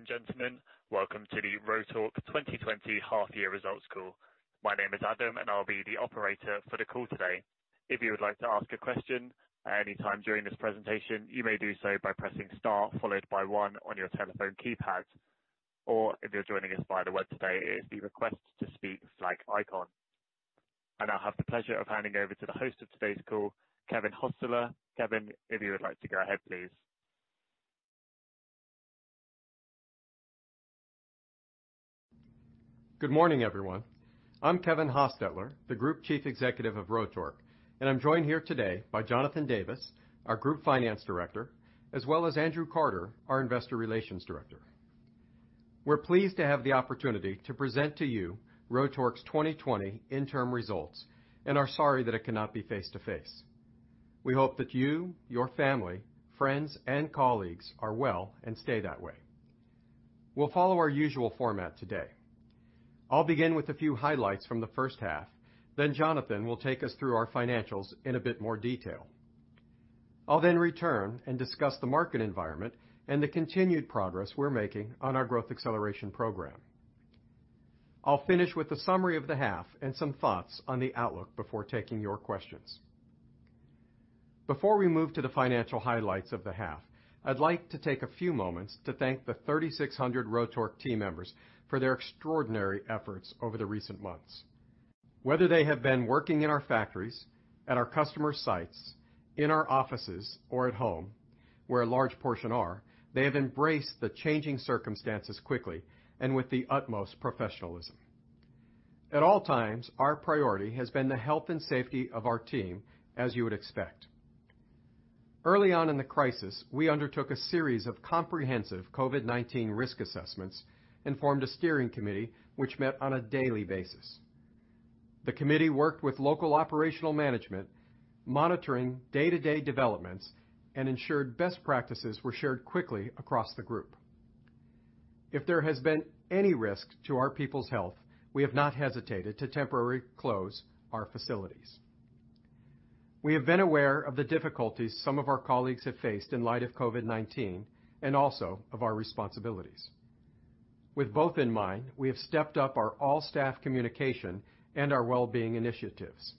Ladies and gentlemen, welcome to the Rotork 2020 half-year results call. My name is Adam, and I'll be the operator for the call today. If you would like to ask a question at any time during this presentation, you may do so by pressing star followed by one on your telephone keypad, or if you're joining us via the web today, it is the request to speak flag icon. I now have the pleasure of handing over to the host of today's call, Kevin Hostetler. Kevin, if you would like to go ahead, please. Good morning, everyone. I'm Kevin Hostetler, the Group Chief Executive of Rotork, and I'm joined here today by Jonathan Davis, our Group Finance Director, as well as Andrew Carter, our Investor Relations Director. We're pleased to have the opportunity to present to you Rotork's 2020 interim results and are sorry that it cannot be face-to-face. We hope that you, your family, friends, and colleagues are well and stay that way. We'll follow our usual format today. I'll begin with a few highlights from the first half, then Jonathan will take us through our financials in a bit more detail. I'll then return and discuss the market environment and the continued progress we're making on our Growth Acceleration Programme. I'll finish with a summary of the half and some thoughts on the outlook before taking your questions. Before we move to the financial highlights of the half, I'd like to take a few moments to thank the 3,600 Rotork team members for their extraordinary efforts over the recent months. Whether they have been working in our factories, at our customers' sites, in our offices, or at home, where a large portion are, they have embraced the changing circumstances quickly and with the utmost professionalism. At all times, our priority has been the health and safety of our team, as you would expect. Early on in the crisis, we undertook a series of comprehensive COVID-19 risk assessments and formed a steering committee, which met on a daily basis. The committee worked with local operational management, monitoring day-to-day developments, and ensured best practices were shared quickly across the group. If there has been any risk to our people's health, we have not hesitated to temporarily close our facilities. We have been aware of the difficulties some of our colleagues have faced in light of COVID-19, and also of our responsibilities. With both in mind, we have stepped up our all-staff communication and our wellbeing initiatives.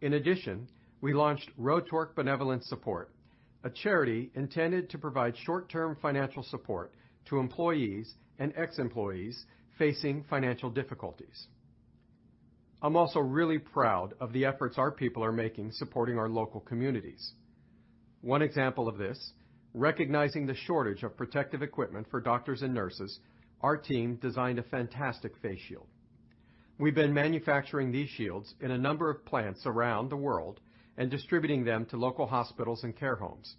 In addition, we launched Rotork Benevolence Support, a charity intended to provide short-term financial support to employees and ex-employees facing financial difficulties. I'm also really proud of the efforts our people are making supporting our local communities. One example of this, recognizing the shortage of protective equipment for doctors and nurses, our team designed a fantastic face shield. We've been manufacturing these shields in a number of plants around the world and distributing them to local hospitals and care homes.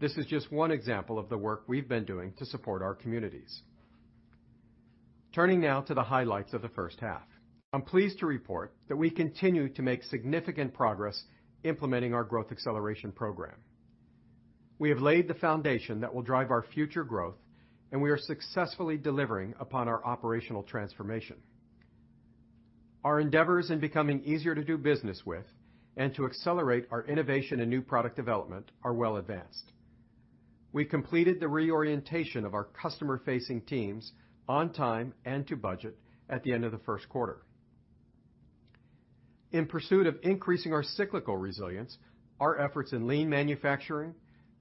This is just one example of the work we've been doing to support our communities. Turning now to the highlights of the first half. I'm pleased to report that we continue to make significant progress implementing our Growth Acceleration Programme. We have laid the foundation that will drive our future growth, and we are successfully delivering upon our operational transformation. Our endeavors in becoming easier to do business with and to accelerate our innovation and new product development are well advanced. We completed the reorientation of our customer-facing teams on time and to budget at the end of the first quarter. In pursuit of increasing our cyclical resilience, our efforts in lean manufacturing,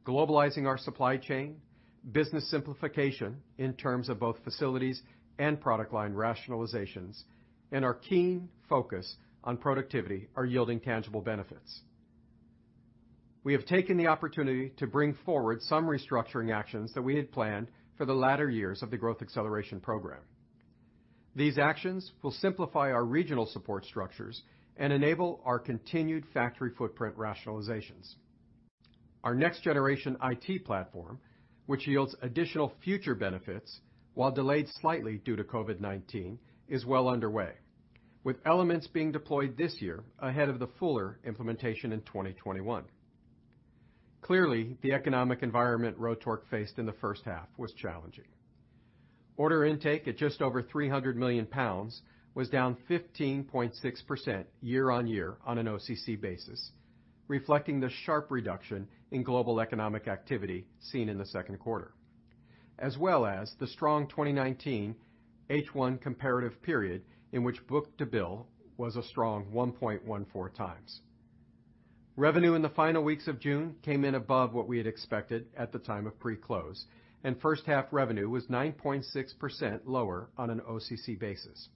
globalizing our supply chain, business simplification in terms of both facilities and product line rationalizations, and our keen focus on productivity are yielding tangible benefits. We have taken the opportunity to bring forward some restructuring actions that we had planned for the latter years of the Growth Acceleration Programme. These actions will simplify our regional support structures and enable our continued factory footprint rationalizations. Our next generation IT platform, which yields additional future benefits while delayed slightly due to COVID-19, is well underway, with elements being deployed this year ahead of the fuller implementation in 2021. Clearly, the economic environment Rotork faced in the first half was challenging. Order intake at just over 300 million pounds was down 15.6% year-on-year on an OCC basis, reflecting the sharp reduction in global economic activity seen in the second quarter, as well as the strong 2019 H1 comparative period in which book-to-bill was a strong 1.14x. Revenue in the final weeks of June came in above what we had expected at the time of pre-close, and first half revenue was 9.6% lower on an OCC basis.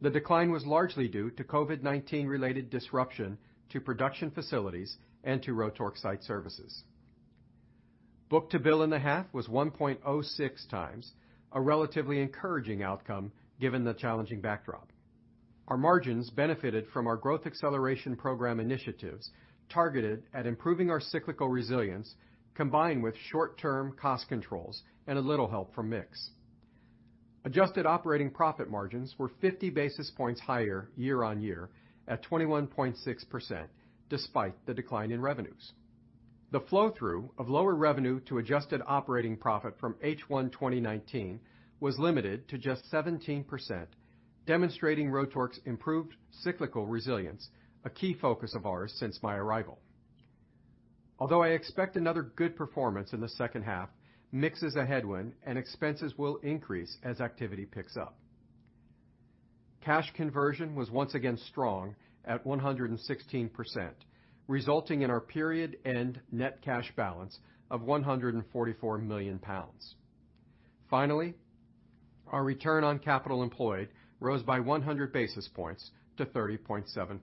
The decline was largely due to COVID-19 related disruption to production facilities and to Rotork Site Services. book-to-bill in the half was 1.06x, a relatively encouraging outcome given the challenging backdrop. Our margins benefited from our Growth Acceleration Programme initiatives targeted at improving our cyclical resilience, combined with short-term cost controls and a little help from mix. Adjusted operating profit margins were 50 basis points higher year-on-year at 21.6%, despite the decline in revenues. The flow-through of lower revenue to adjusted operating profit from H1 2019 was limited to just 17%, demonstrating Rotork's improved cyclical resilience, a key focus of ours since my arrival. I expect another good performance in the second half, mix is a headwind, and expenses will increase as activity picks up. Cash conversion was once again strong at 116%, resulting in our period-end net cash balance of 144 million pounds. Finally, our return on capital employed rose by 100 basis points to 30.7%.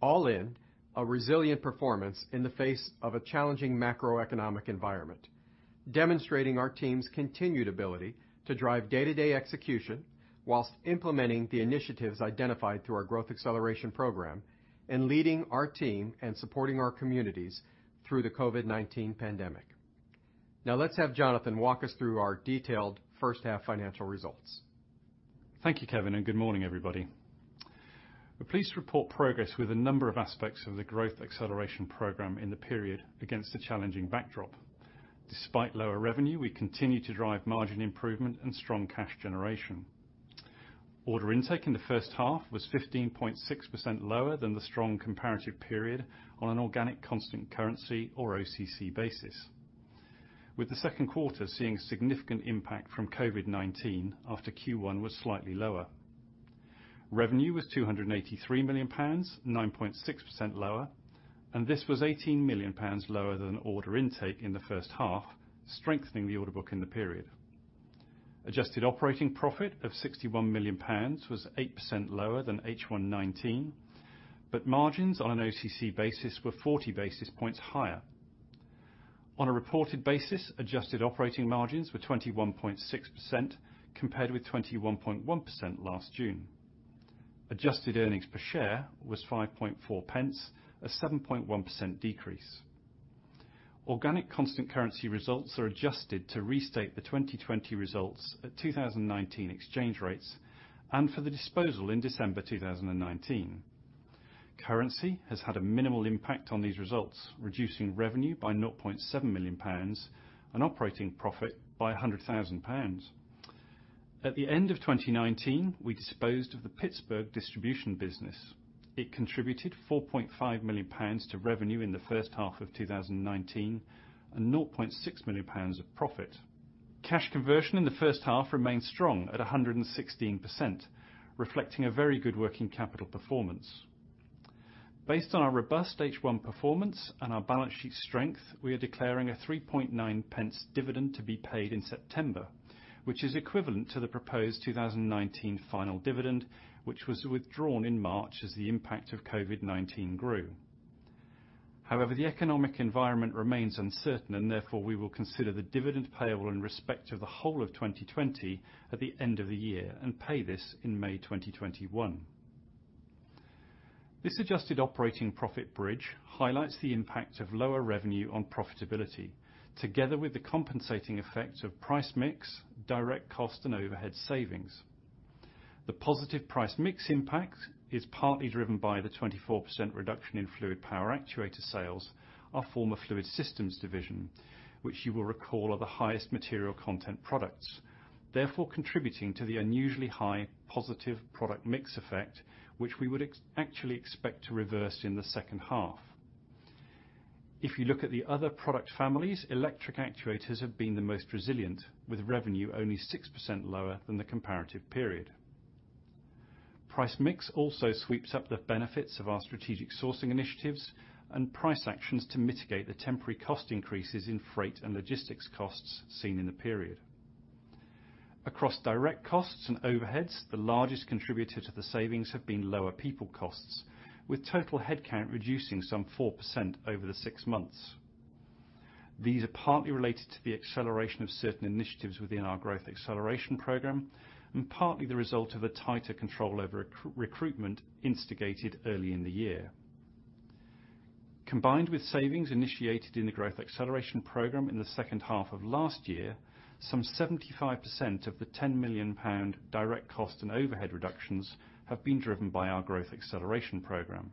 All in, a resilient performance in the face of a challenging macroeconomic environment, demonstrating our team's continued ability to drive day-to-day execution while implementing the initiatives identified through our Growth Acceleration Program and leading our team and supporting our communities through the COVID-19 pandemic. Now, let's have Jonathan walk us through our detailed first-half financial results. Thank you, Kevin, and good morning, everybody. I'm pleased to report progress with a number of aspects of the Growth Acceleration Programme in the period against a challenging backdrop. Despite lower revenue, we continue to drive margin improvement and strong cash generation. Order intake in the first half was 15.6% lower than the strong comparative period on an organic constant currency, or OCC, basis, with the second quarter seeing significant impact from COVID-19 after Q1 was slightly lower. Revenue was 283 million pounds, 9.6% lower, and this was 18 million pounds lower than order intake in the first half, strengthening the order book in the period. Adjusted operating profit of 61 million pounds was 8% lower than H1 2019, but margins on an OCC basis were 40 basis points higher. On a reported basis, adjusted operating margins were 21.6% compared with 21.1% last June. Adjusted earnings per share was 0.054, a 7.1% decrease. Organic constant currency results are adjusted to restate the 2020 results at 2019 exchange rates and for the disposal in December 2019. Currency has had a minimal impact on these results, reducing revenue by 0.7 million pounds and operating profit by 100,000 pounds. At the end of 2019, we disposed of the Pittsburgh distribution business. It contributed 4.5 million pounds to revenue in the first half of 2019 and 0.6 million pounds of profit. Cash conversion in the first half remained strong at 116%, reflecting a very good working capital performance. Based on our robust H1 performance and our balance sheet strength, we are declaring a 0.039 dividend to be paid in September, which is equivalent to the proposed 2019 final dividend, which was withdrawn in March as the impact of COVID-19 grew. However, the economic environment remains uncertain, and therefore, we will consider the dividend payable in respect of the whole of 2020 at the end of the year and pay this in May 2021. This adjusted operating profit bridge highlights the impact of lower revenue on profitability, together with the compensating effect of price mix, direct cost, and overhead savings. The positive price mix impact is partly driven by the 24% reduction in fluid power actuator sales, our former Rotork Fluid Systems, which you will recall are the highest material content products, therefore contributing to the unusually high positive product mix effect, which we would actually expect to reverse in the second half. If you look at the other product families, electric actuators have been the most resilient, with revenue only 6% lower than the comparative period. Price mix also sweeps up the benefits of our strategic sourcing initiatives and price actions to mitigate the temporary cost increases in freight and logistics costs seen in the period. Across direct costs and overheads, the largest contributor to the savings have been lower people costs, with total headcount reducing some 4% over the six months. These are partly related to the acceleration of certain initiatives within our Growth Acceleration Programme and partly the result of a tighter control over recruitment instigated early in the year. Combined with savings initiated in the Growth Acceleration Programme in the second half of last year, some 75% of the 10 million pound direct cost and overhead reductions have been driven by our Growth Acceleration Programme.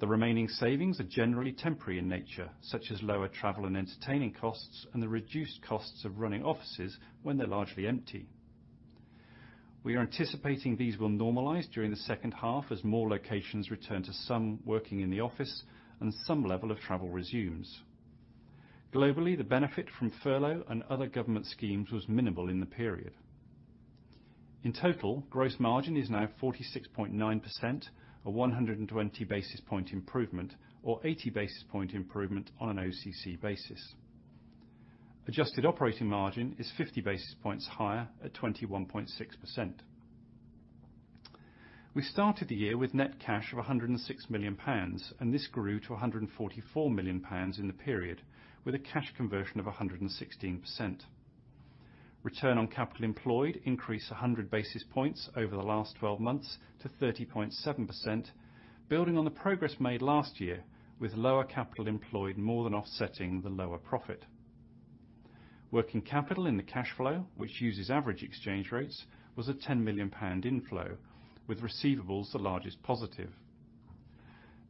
The remaining savings are generally temporary in nature, such as lower travel and entertaining costs and the reduced costs of running offices when they're largely empty. We are anticipating these will normalize during the second half as more locations return to some working in the office and some level of travel resumes. Globally, the benefit from furlough and other government schemes was minimal in the period. In total, gross margin is now 46.9%, a 120 basis point improvement, or 80 basis point improvement on an OCC basis. Adjusted operating margin is 50 basis points higher at 21.6%. We started the year with net cash of 106 million pounds, and this grew to 144 million pounds in the period, with a cash conversion of 116%. Return on capital employed increased 100 basis points over the last 12 months to 30.7%, building on the progress made last year with lower capital employed more than offsetting the lower profit. Working capital in the cash flow, which uses average exchange rates, was a 10 million pound inflow, with receivables the largest positive.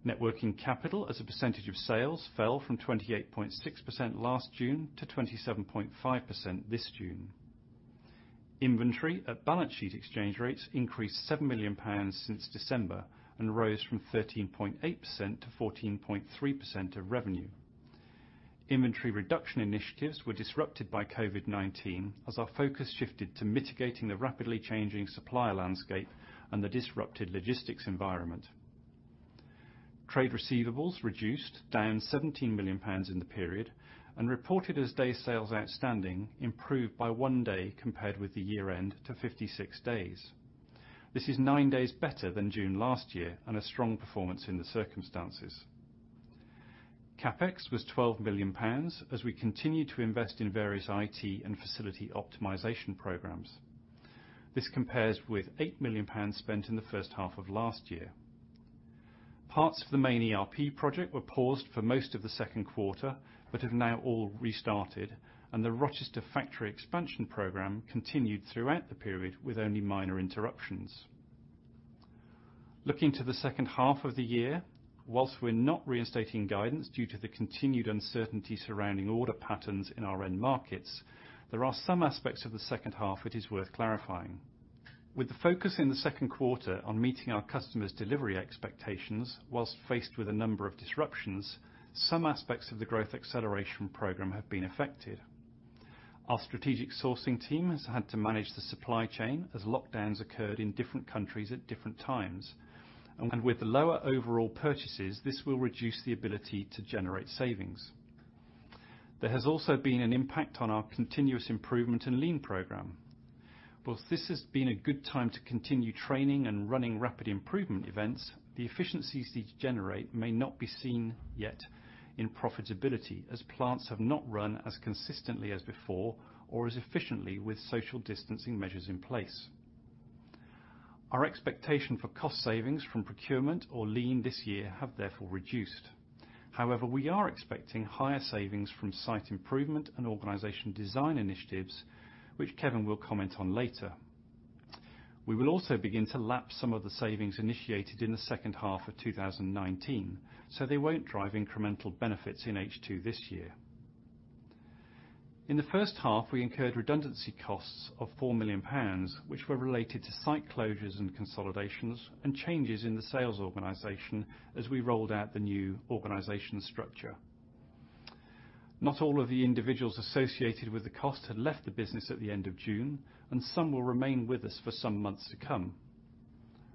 Net working capital as a % of sales fell from 28.6% last June to 27.5% this June. Inventory at balance sheet exchange rates increased 7 million pounds since December and rose from 13.8%-14.3% of revenue. Inventory reduction initiatives were disrupted by COVID-19 as our focus shifted to mitigating the rapidly changing supplier landscape and the disrupted logistics environment. Trade receivables reduced, down GBP 17 million in the period, and reported day sales outstanding improved by one day compared with the year-end to 56 days. This is nine days better than June last year and a strong performance in the circumstances. CapEx was 12 million pounds as we continued to invest in various IT and facility optimization programs. This compares with 8 million pounds spent in the first half of last year. Parts of the main ERP project were paused for most of the second quarter, but have now all restarted, and the Rochester factory expansion program continued throughout the period with only minor interruptions. Looking to the second half of the year, whilst we're not reinstating guidance due to the continued uncertainty surrounding order patterns in our end markets, there are some aspects of the second half it is worth clarifying. With the focus in the second quarter on meeting our customers' delivery expectations whilst faced with a number of disruptions, some aspects of the Growth Acceleration Programme have been affected. Our strategic sourcing team has had to manage the supply chain as lockdowns occurred in different countries at different times. With the lower overall purchases, this will reduce the ability to generate savings. There has also been an impact on our Continuous Improvement Program and lean program. While this has been a good time to continue training and running Rapid Improvement Events, the efficiencies these generate may not be seen yet in profitability, as plants have not run as consistently as before or as efficiently with social distancing measures in place. Our expectation for cost savings from procurement or lean this year have therefore reduced. However, we are expecting higher savings from site improvement and organization design initiatives, which Kevin will comment on later. We will also begin to lap some of the savings initiated in the second half of 2019, so they won't drive incremental benefits in H2 this year. In the first half, we incurred redundancy costs of 4 million pounds, which were related to site closures and consolidations and changes in the sales organization as we rolled out the new organization structure. Not all of the individuals associated with the cost had left the business at the end of June, and some will remain with us for some months to come.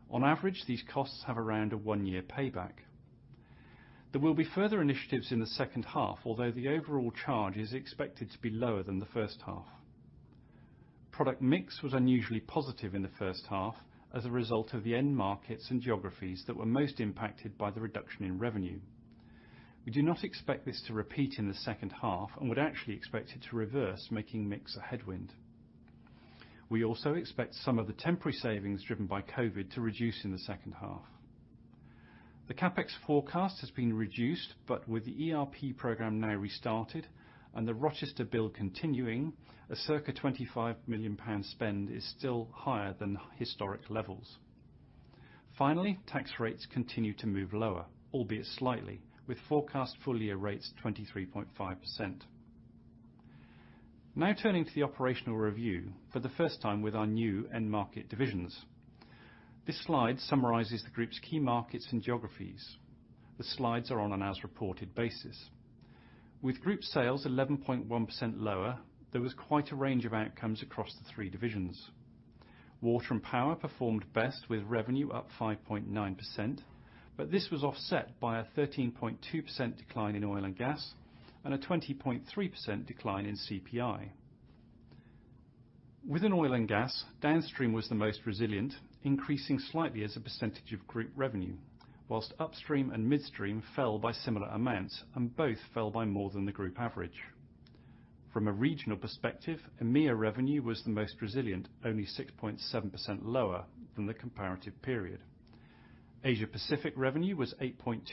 On average, these costs have around a one-year payback. There will be further initiatives in the second half, although the overall charge is expected to be lower than the first half. Product mix was unusually positive in the first half as a result of the end markets and geographies that were most impacted by the reduction in revenue. We do not expect this to repeat in the second half and would actually expect it to reverse, making mix a headwind. We also expect some of the temporary savings driven by COVID to reduce in the second half. The CapEx forecast has been reduced, but with the ERP program now restarted and the Rochester build continuing, a circa 25 million pound spend is still higher than historic levels. Finally, tax rates continue to move lower, albeit slightly, with forecast full-year rates 23.5%. Now turning to the operational review for the first time with our new end market divisions. This slide summarizes the group's key markets and geographies. The slides are on an as reported basis. With group sales 11.1% lower, there was quite a range of outcomes across the three divisions. Water and power performed best with revenue up 5.9%, but this was offset by a 13.2% decline in oil and gas and a 20.3% decline in CPI. Within oil and gas, downstream was the most resilient, increasing slightly as a % of group revenue, whilst upstream and midstream fell by similar amounts, and both fell by more than the group average. From a regional perspective, EMEIA revenue was the most resilient, only 6.7% lower than the comparative period. Asia-Pacific revenue was 8.2%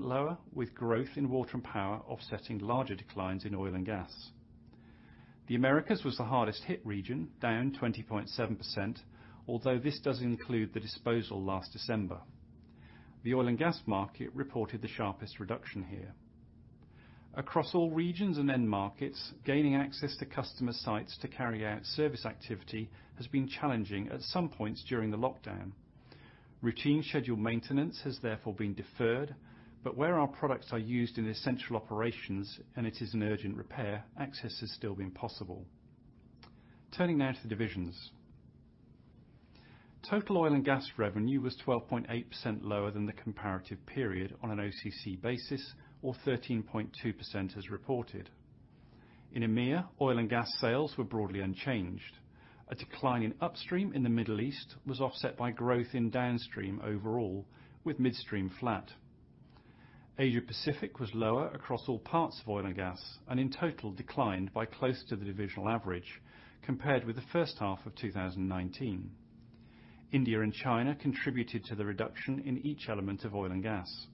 lower, with growth in water and power offsetting larger declines in oil and gas. The Americas was the hardest hit region, down 20.7%, although this does include the disposal last December. The oil and gas market reported the sharpest reduction here. Across all regions and end markets, gaining access to customer sites to carry out service activity has been challenging at some points during the lockdown. Routine scheduled maintenance has therefore been deferred, but where our products are used in essential operations and it is an urgent repair, access has still been possible. Turning now to the divisions. Total oil and gas revenue was 12.8% lower than the comparative period on an OCC basis, or 13.2% as reported. In EMEIA, oil and gas sales were broadly unchanged. A decline in upstream in the Middle East was offset by growth in downstream overall, with midstream flat. Asia-Pacific was lower across all parts of oil and gas and in total declined by close to the divisional average compared with the first half of 2019. India and China contributed to the reduction in each element of oil and gas.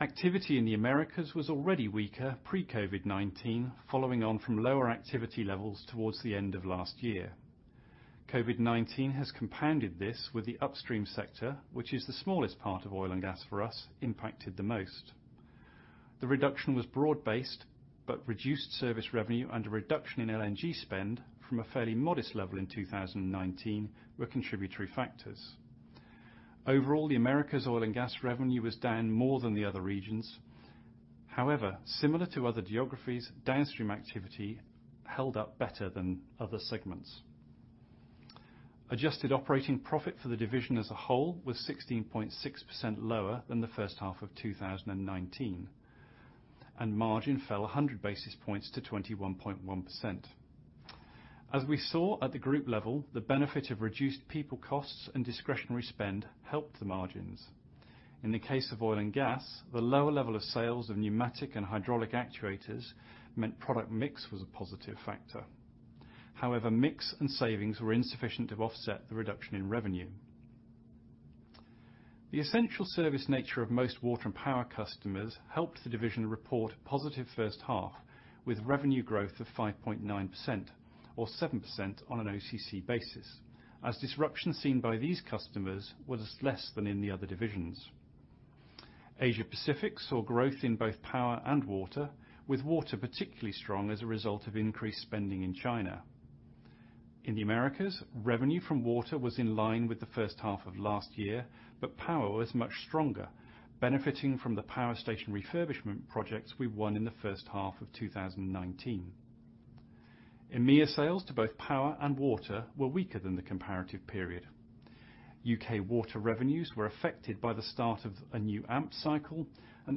Activity in the Americas was already weaker pre-COVID-19, following on from lower activity levels towards the end of last year. COVID-19 has compounded this with the upstream sector, which is the smallest part of oil and gas for us, impacted the most. The reduction was broad-based, but reduced service revenue and a reduction in LNG spend from a fairly modest level in 2019 were contributory factors. Overall, the Americas oil and gas revenue was down more than the other regions. Similar to other geographies, downstream activity held up better than other segments. Adjusted operating profit for the division as a whole was 16.6% lower than the first half of 2019, and margin fell 100 basis points to 21.1%. As we saw at the group level, the benefit of reduced people costs and discretionary spend helped the margins. In the case of oil and gas, the lower level of sales of pneumatic and hydraulic actuators meant product mix was a positive factor. However, mix and savings were insufficient to offset the reduction in revenue. The essential service nature of most water and power customers helped the division report a positive first half, with revenue growth of 5.9%, or 7% on an OCC basis, as disruption seen by these customers was less than in the other divisions. Asia Pacific saw growth in both power and water, with water particularly strong as a result of increased spending in China. In the Americas, revenue from water was in line with the first half of last year, but power was much stronger, benefiting from the power station refurbishment projects we won in the first half of 2019. EMEIA sales to both power and water were weaker than the comparative period. U.K. water revenues were affected by the start of a new AMP cycle.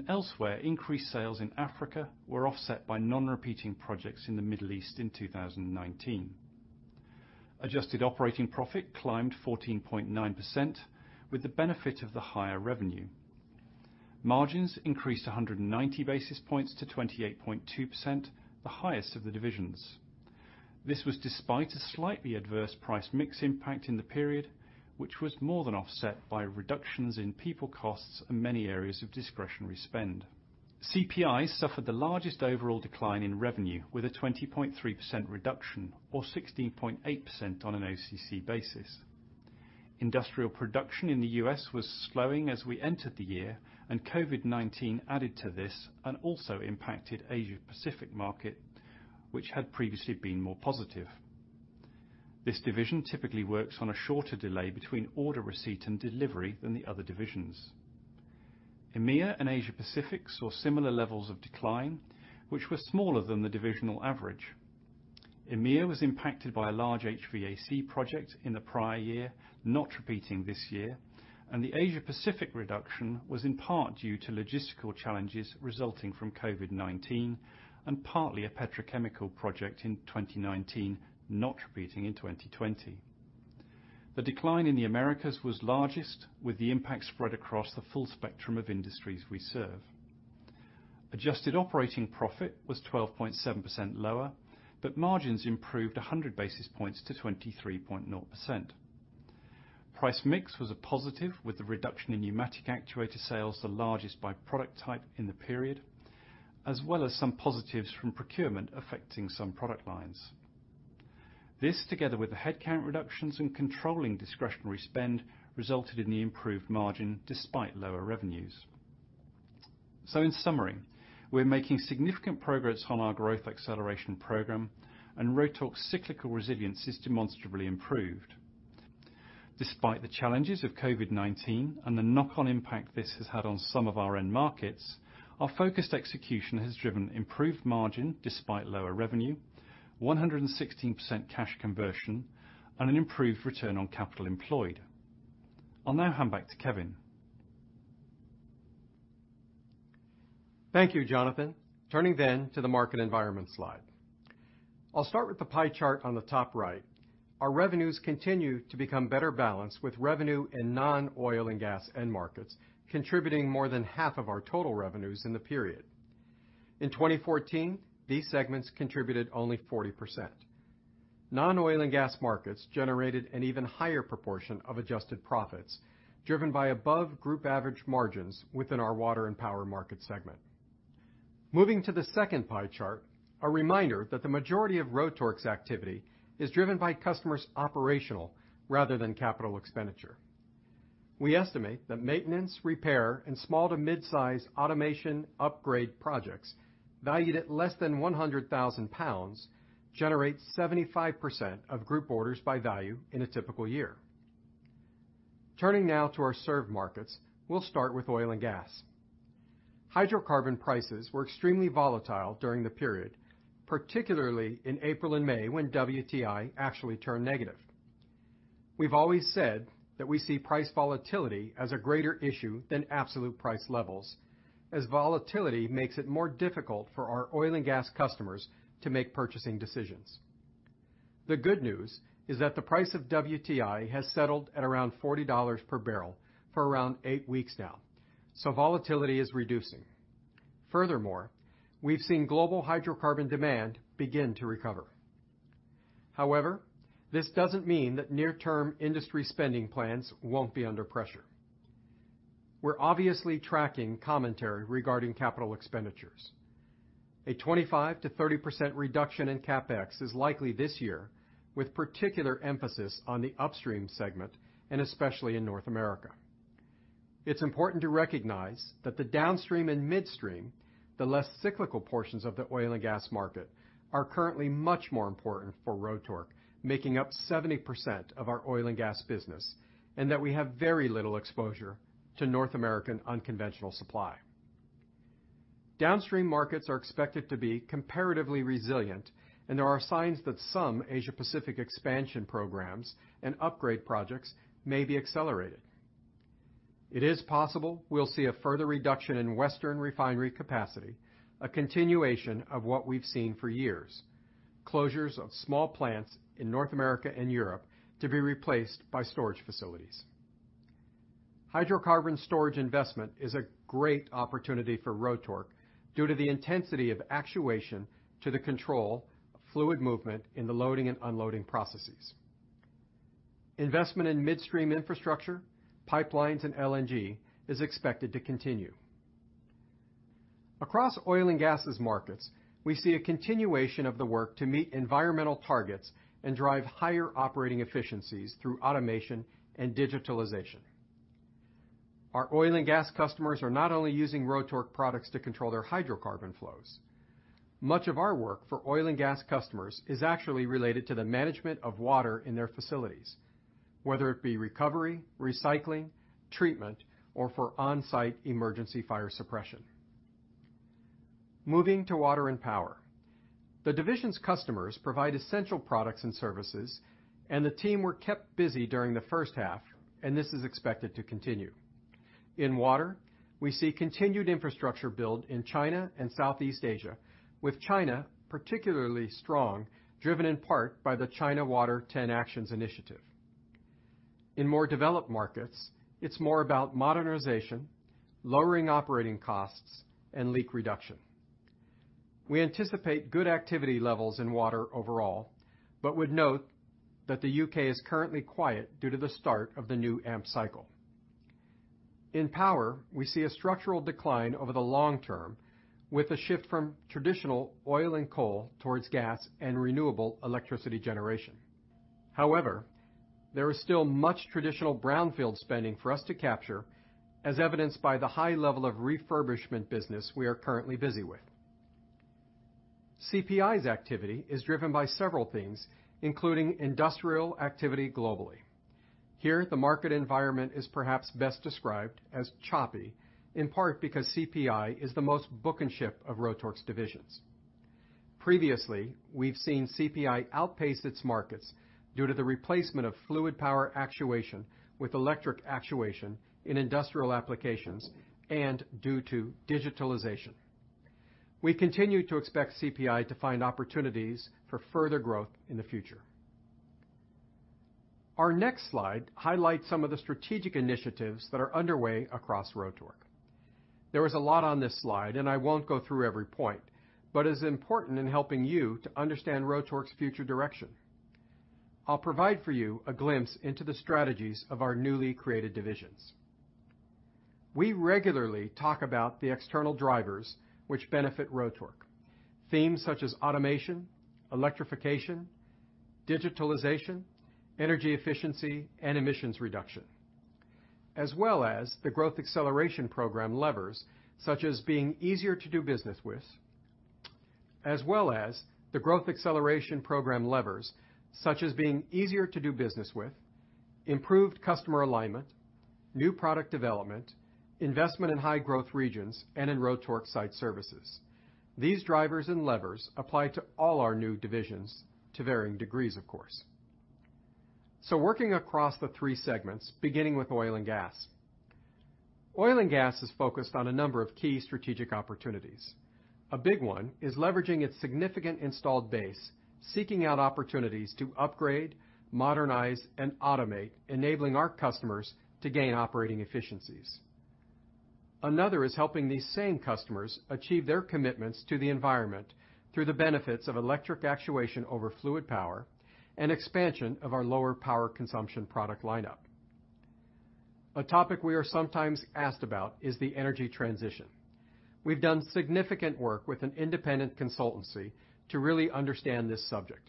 Elsewhere, increased sales in Africa were offset by non-repeating projects in the Middle East in 2019. Adjusted operating profit climbed 14.9% with the benefit of the higher revenue. Margins increased 190 basis points to 28.2%, the highest of the divisions. This was despite a slightly adverse price mix impact in the period, which was more than offset by reductions in people costs and many areas of discretionary spend. CPI suffered the largest overall decline in revenue, with a 20.3% reduction, or 16.8% on an OCC basis. Industrial production in the U.S. was slowing as we entered the year. COVID-19 added to this and also impacted Asia Pacific market, which had previously been more positive. This division typically works on a shorter delay between order receipt and delivery than the other divisions. EMEIA and Asia Pacific saw similar levels of decline, which were smaller than the divisional average. EMEIA was impacted by a large HVAC project in the prior year, not repeating this year, and the Asia Pacific reduction was in part due to logistical challenges resulting from COVID-19 and partly a petrochemical project in 2019, not repeating in 2020. The decline in the Americas was largest, with the impact spread across the full spectrum of industries we serve. Adjusted operating profit was 12.7% lower, but margins improved 100 basis points to 23.0%. Price mix was a positive with the reduction in pneumatic actuator sales the largest by product type in the period, as well as some positives from procurement affecting some product lines. This, together with the headcount reductions and controlling discretionary spend, resulted in the improved margin despite lower revenues. In summary, we're making significant progress on our Growth Acceleration Programme, and Rotork's cyclical resilience is demonstrably improved. Despite the challenges of COVID-19 and the knock-on impact this has had on some of our end markets, our focused execution has driven improved margin despite lower revenue, 116% cash conversion, and an improved return on capital employed. I'll now hand back to Kevin. Thank you, Jonathan. Turning to the market environment slide. I'll start with the pie chart on the top right. Our revenues continue to become better balanced with revenue in non-oil and gas end markets, contributing more than 1/2 of our total revenues in the period. In 2014, these segments contributed only 40%. Non-oil and gas markets generated an even higher proportion of adjusted profits, driven by above group average margins within our water and power market segment. Moving to the second pie chart, a reminder that the majority of Rotork's activity is driven by customers' operational rather than capital expenditure. We estimate that maintenance, repair, and small to mid-size automation upgrade projects valued at less than 100,000 pounds generate 75% of group orders by value in a typical year. Turning now to our served markets. We'll start with oil and gas. Hydrocarbon prices were extremely volatile during the period, particularly in April and May, when WTI actually turned negative. We've always said that we see price volatility as a greater issue than absolute price levels, as volatility makes it more difficult for our oil and gas customers to make purchasing decisions. The good news is that the price of WTI has settled at around $40 per barrel for around eight weeks now, volatility is reducing. Furthermore, we've seen global hydrocarbon demand begin to recover. However, this doesn't mean that near-term industry spending plans won't be under pressure. We're obviously tracking commentary regarding capital expenditure. A 25%-30% reduction in CapEx is likely this year, with particular emphasis on the upstream segment, and especially in North America. It's important to recognize that the downstream and midstream, the less cyclical portions of the oil and gas market, are currently much more important for Rotork, making up 70% of our oil and gas business, and that we have very little exposure to North American unconventional supply. Downstream markets are expected to be comparatively resilient, and there are signs that some Asia-Pacific expansion programs and upgrade projects may be accelerated. It is possible we'll see a further reduction in Western refinery capacity, a continuation of what we've seen for years, closures of small plants in North America and Europe to be replaced by storage facilities. Hydrocarbon storage investment is a great opportunity for Rotork due to the intensity of actuation to the control of fluid movement in the loading and unloading processes. Investment in midstream infrastructure, pipelines, and LNG is expected to continue. Across oil and gases markets, we see a continuation of the work to meet environmental targets and drive higher operating efficiencies through automation and digitalization. Our oil and gas customers are not only using Rotork products to control their hydrocarbon flows. Much of our work for oil and gas customers is actually related to the management of water in their facilities, whether it be recovery, recycling, treatment, or for on-site emergency fire suppression. Moving to water and power. The division's customers provide essential products and services, and the team were kept busy during the first half, and this is expected to continue. In water, we see continued infrastructure build in China and Southeast Asia, with China particularly strong, driven in part by the China Water Ten Plan. In more developed markets, it's more about modernization, lowering operating costs, and leak reduction. We anticipate good activity levels in water overall. Would note that the U.K. is currently quiet due to the start of the new AMP cycle. In power, we see a structural decline over the long term, with a shift from traditional oil and coal towards gas and renewable electricity generation. There is still much traditional brownfield spending for us to capture, as evidenced by the high level of refurbishment business we are currently busy with. CPI's activity is driven by several things, including industrial activity globally. Here, the market environment is perhaps best described as choppy, in part because CPI is the most book-and-ship of Rotork's divisions. Previously, we've seen CPI outpace its markets due to the replacement of fluid power actuation with electric actuation in industrial applications and due to digitalization. We continue to expect CPI to find opportunities for further growth in the future. Our next slide highlights some of the strategic initiatives that are underway across Rotork. There is a lot on this slide, and I won't go through every point, but is important in helping you to understand Rotork's future direction. I'll provide for you a glimpse into the strategies of our newly created divisions. We regularly talk about the external drivers which benefit Rotork. Themes such as automation, electrification, digitalization, energy efficiency, and emissions reduction, as well as the Growth Acceleration Programme levers, such as being easier to do business with, improved customer alignment, new product development, investment in high-growth regions, and in Rotork Site Services. These drivers and levers apply to all our new divisions to varying degrees, of course. Working across the three segments, beginning with oil and gas. Oil and gas is focused on a number of key strategic opportunities. A big one is leveraging its significant installed base, seeking out opportunities to upgrade, modernize, and automate, enabling our customers to gain operating efficiencies. Another is helping these same customers achieve their commitments to the environment through the benefits of electric actuation over fluid power and expansion of our lower power consumption product lineup. A topic we are sometimes asked about is the energy transition. We've done significant work with an independent consultancy to really understand this subject.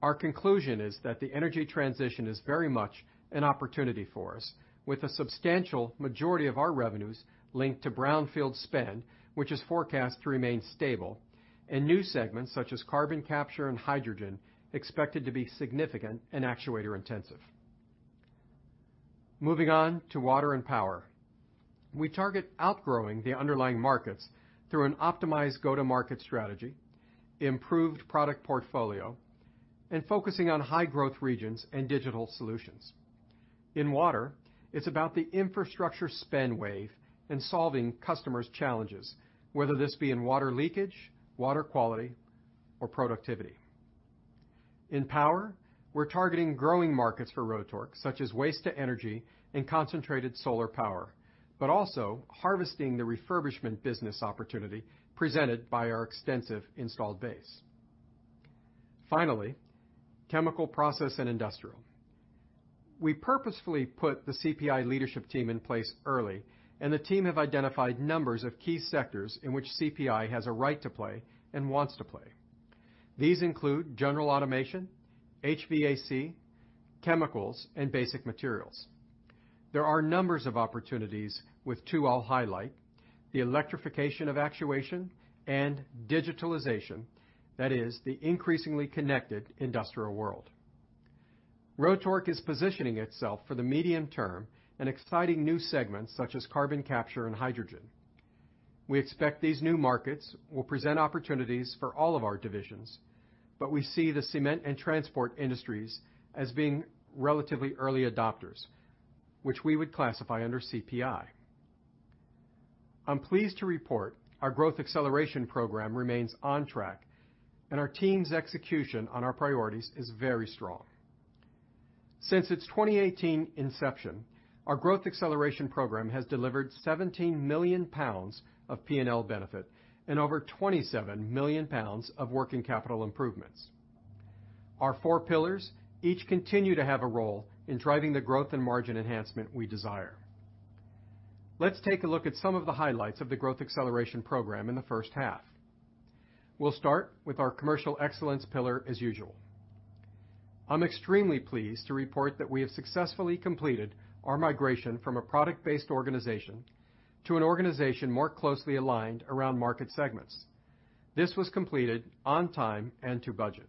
Our conclusion is that the energy transition is very much an opportunity for us, with a substantial majority of our revenues linked to brownfield spend, which is forecast to remain stable, and new segments such as carbon capture and hydrogen expected to be significant and actuator-intensive. Moving on to water and power. We target outgrowing the underlying markets through an optimized go-to-market strategy, improved product portfolio, and focusing on high-growth regions and digital solutions. In water, it's about the infrastructure spend wave and solving customers' challenges, whether this be in water leakage, water quality, or productivity. In power, we're targeting growing markets for Rotork, such as waste to energy and concentrated solar power, but also harvesting the refurbishment business opportunity presented by our extensive installed base. Finally, Chemical Process and Industrial. We purposefully put the CPI leadership team in place early, the team have identified numbers of key sectors in which CPI has a right to play and wants to play. These include general automation, HVAC, chemicals, and basic materials. There are numbers of opportunities with two I'll highlight, the electrification of actuation and digitalization, that is, the increasingly connected industrial world. Rotork is positioning itself for the medium term in exciting new segments such as carbon capture and hydrogen. We expect these new markets will present opportunities for all of our divisions, we see the cement and transport industries as being relatively early adopters, which we would classify under CPI. I'm pleased to report our Growth Acceleration Programme remains on track, our team's execution on our priorities is very strong. Since its 2018 inception, our Growth Acceleration Programme has delivered 17 million pounds of P&L benefit over 27 million pounds of working capital improvements. Our four pillars each continue to have a role in driving the growth and margin enhancement we desire. Let's take a look at some of the highlights of the Growth Acceleration Programme in the first half. We'll start with our commercial excellence pillar as usual. I'm extremely pleased to report that we have successfully completed our migration from a product-based organization to an organization more closely aligned around market segments. This was completed on time and to budget.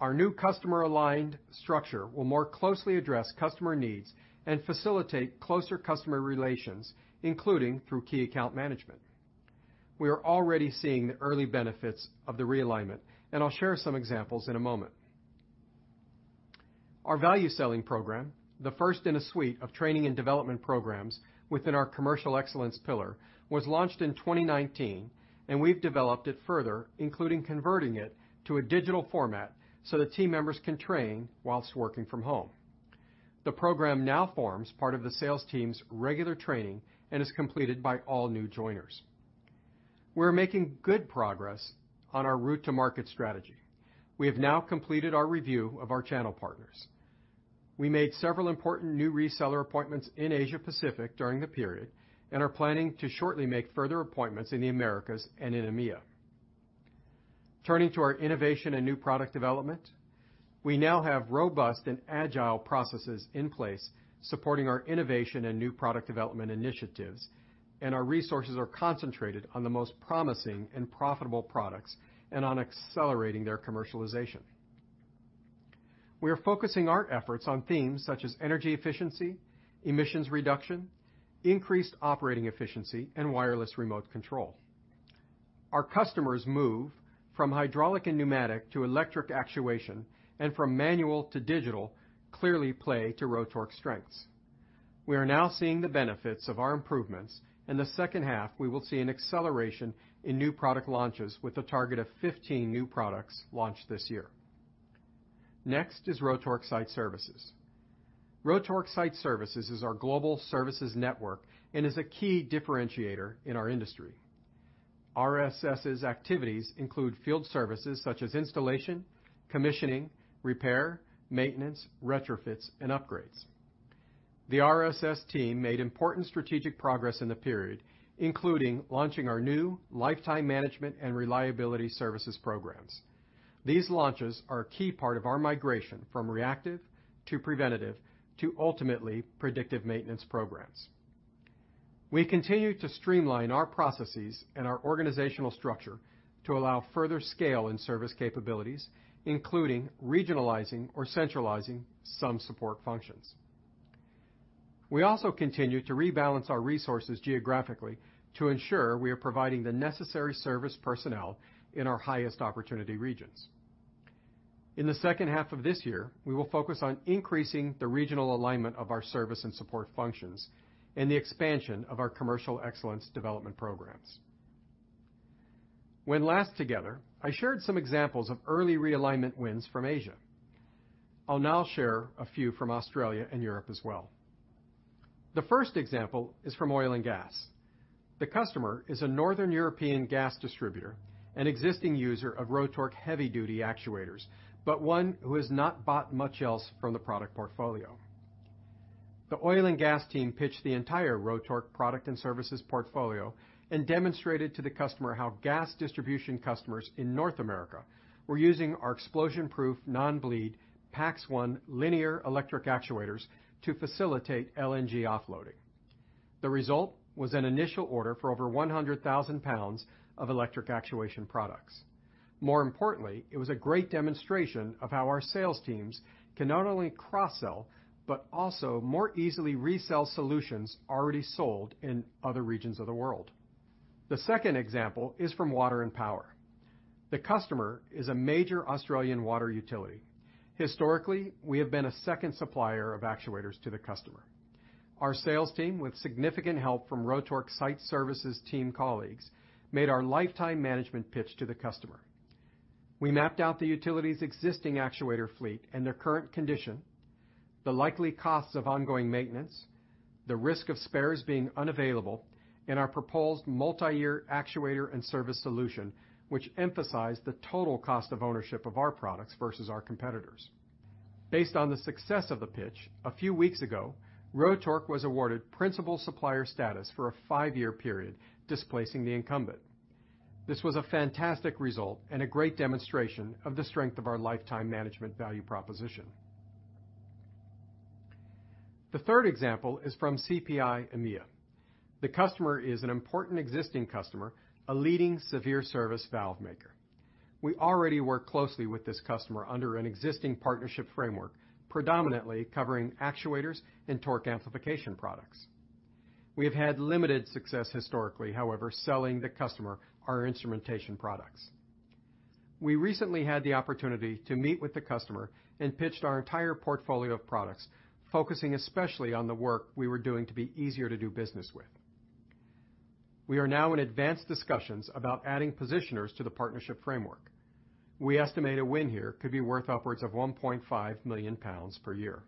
Our new customer aligned structure will more closely address customer needs and facilitate closer customer relations, including through key account management. We are already seeing the early benefits of the realignment, and I'll share some examples in a moment. Our value selling program, the first in a suite of training and development programs within our commercial excellence pillar, was launched in 2019, and we've developed it further, including converting it to a digital format so that team members can train while working from home. The program now forms part of the sales team's regular training and is completed by all new joiners. We're making good progress on our route to market strategy. We have now completed our review of our channel partners. We made several important new reseller appointments in Asia Pacific during the period and are planning to shortly make further appointments in the Americas and in EMEA. Turning to our innovation and new product development, we now have robust and agile processes in place supporting our innovation and new product development initiatives, and our resources are concentrated on the most promising and profitable products and on accelerating their commercialization. We are focusing our efforts on themes such as energy efficiency, emissions reduction, increased operating efficiency, and wireless remote control. Our customers move from hydraulic and pneumatic to electric actuation and from manual to digital clearly play to Rotork strengths. We are now seeing the benefits of our improvements. In the second half, we will see an acceleration in new product launches with a target of 15 new products launched this year. Next is Rotork Site Services. Rotork Site Services is our global services network and is a key differentiator in our industry. RSS's activities include field services such as installation, commissioning, repair, maintenance, retrofits, and upgrades. The RSS team made important strategic progress in the period, including launching our new lifetime management and reliability services programs. These launches are a key part of our migration from reactive to preventative to ultimately predictive maintenance programs. We continue to streamline our processes and our organizational structure to allow further scale in service capabilities, including regionalizing or centralizing some support functions. We also continue to rebalance our resources geographically to ensure we are providing the necessary service personnel in our highest opportunity regions. In the second half of this year, we will focus on increasing the regional alignment of our service and support functions and the expansion of our commercial excellence development programs. When last together, I shared some examples of early realignment wins from Asia. I'll now share a few from Australia and Europe as well. The first example is from oil and gas. The customer is a Northern European gas distributor, an existing user of Rotork heavy duty actuators, but one who has not bought much else from the product portfolio. The oil and gas team pitched the entire Rotork product and services portfolio and demonstrated to the customer how gas distribution customers in North America were using our explosion-proof, non-bleed PAX1 linear electric actuators to facilitate LNG offloading. The result was an initial order for over 100,000 pounds of electric actuation products. More importantly, it was a great demonstration of how our sales teams can not only cross-sell, but also more easily resell solutions already sold in other regions of the world. The second example is from water and power. The customer is a major Australian water utility. Historically, we have been a second supplier of actuators to the customer. Our sales team, with significant help from Rotork Site Services team colleagues, made our lifetime management pitch to the customer. We mapped out the utility's existing actuator fleet and their current condition. The likely costs of ongoing maintenance, the risk of spares being unavailable, and our proposed multi-year actuator and service solution, which emphasized the total cost of ownership of our products versus our competitors. Based on the success of the pitch, a few weeks ago, Rotork was awarded principal supplier status for a five-year period, displacing the incumbent. This was a fantastic result and a great demonstration of the strength of our lifetime management value proposition. The third example is from CPI EMEA. The customer is an important existing customer, a leading severe service valve maker. We already work closely with this customer under an existing partnership framework, predominantly covering actuators and torque amplification products. We have had limited success historically, however, selling the customer our instrumentation products. We recently had the opportunity to meet with the customer and pitched our entire portfolio of products, focusing especially on the work we were doing to be easier to do business with. We are now in advanced discussions about adding positioners to the partnership framework. We estimate a win here could be worth upwards of 1.5 million pounds per year.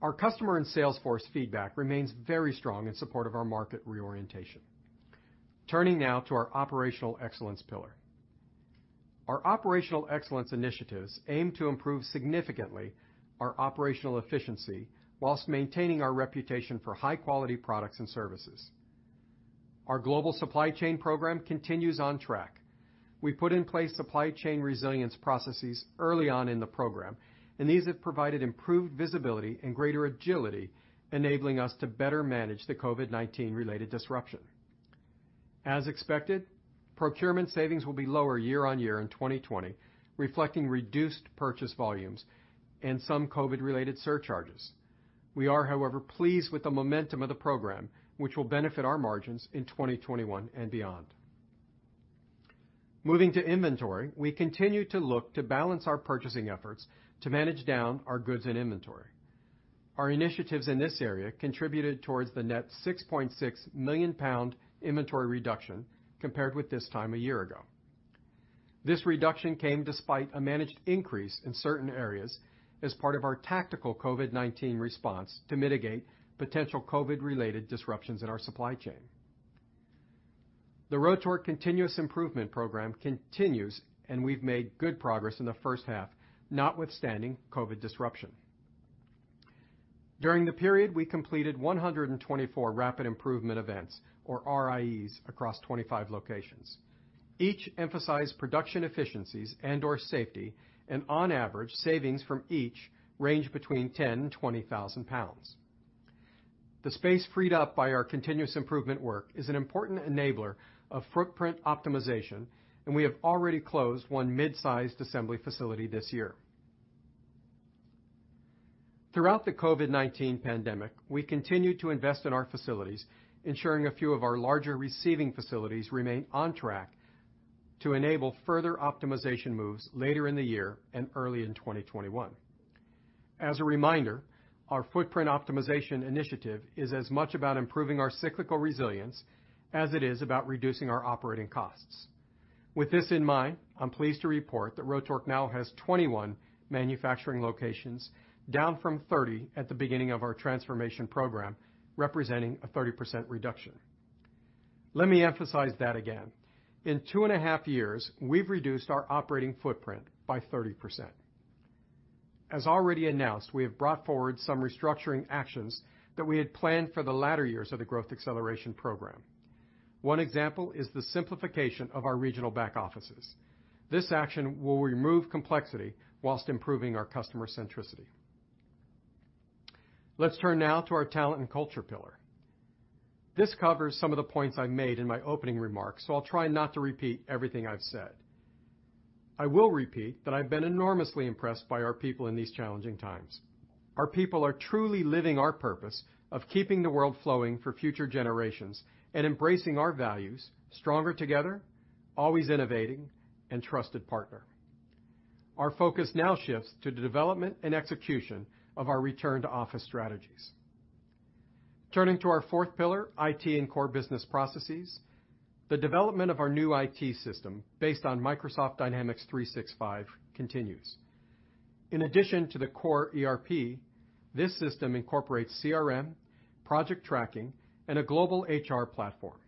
Our customer and sales force feedback remains very strong in support of our market reorientation. Turning now to our operational excellence pillar. Our operational excellence initiatives aim to improve significantly our operational efficiency while maintaining our reputation for high-quality products and services. Our global supply chain program continues on track. We put in place supply chain resilience processes early on in the program. These have provided improved visibility and greater agility, enabling us to better manage the COVID-19 related disruption. As expected, procurement savings will be lower year-on-year in 2020, reflecting reduced purchase volumes and some COVID-related surcharges. We are, however, pleased with the momentum of the program, which will benefit our margins in 2021 and beyond. Moving to inventory, we continue to look to balance our purchasing efforts to manage down our goods and inventory. Our initiatives in this area contributed towards the net 6.6 million pound inventory reduction compared with this time a year ago. This reduction came despite a managed increase in certain areas as part of our tactical COVID-19 response to mitigate potential COVID-related disruptions in our supply chain. The Rotork Continuous Improvement Program continues, and we've made good progress in the first half, notwithstanding COVID disruption. During the period, we completed 124 rapid improvement events, or RIEs, across 25 locations. Each emphasized production efficiencies and/or safety, and on average, savings from each range between 10,000 and 20,000 pounds. The space freed up by our continuous improvement work is an important enabler of footprint optimization, and we have already closed one mid-sized assembly facility this year. Throughout the COVID-19 pandemic, we continued to invest in our facilities, ensuring a few of our larger receiving facilities remain on track to enable further optimization moves later in the year and early in 2021. As a reminder, our footprint optimization initiative is as much about improving our cyclical resilience as it is about reducing our operating costs. With this in mind, I'm pleased to report that Rotork now has 21 manufacturing locations, down from 30 at the beginning of our transformation program, representing a 30% reduction. Let me emphasize that again. In 2.5 years, we've reduced our operating footprint by 30%. As already announced, we have brought forward some restructuring actions that we had planned for the latter years of the Growth Acceleration Programme. One example is the simplification of our regional back offices. This action will remove complexity whilst improving our customer centricity. Let's turn now to our talent and culture pillar. This covers some of the points I made in my opening remarks, so I'll try not to repeat everything I've said. I will repeat that I've been enormously impressed by our people in these challenging times. Our people are truly living our purpose of keeping the world flowing for future generations and embracing our values: stronger together, always innovating, and trusted partner. Our focus now shifts to the development and execution of our return to office strategies. Turning to our fourth pillar, IT and core business processes, the development of our new IT system, based on Microsoft Dynamics 365, continues. In addition to the core ERP, this system incorporates CRM, project tracking, and a global HR platform.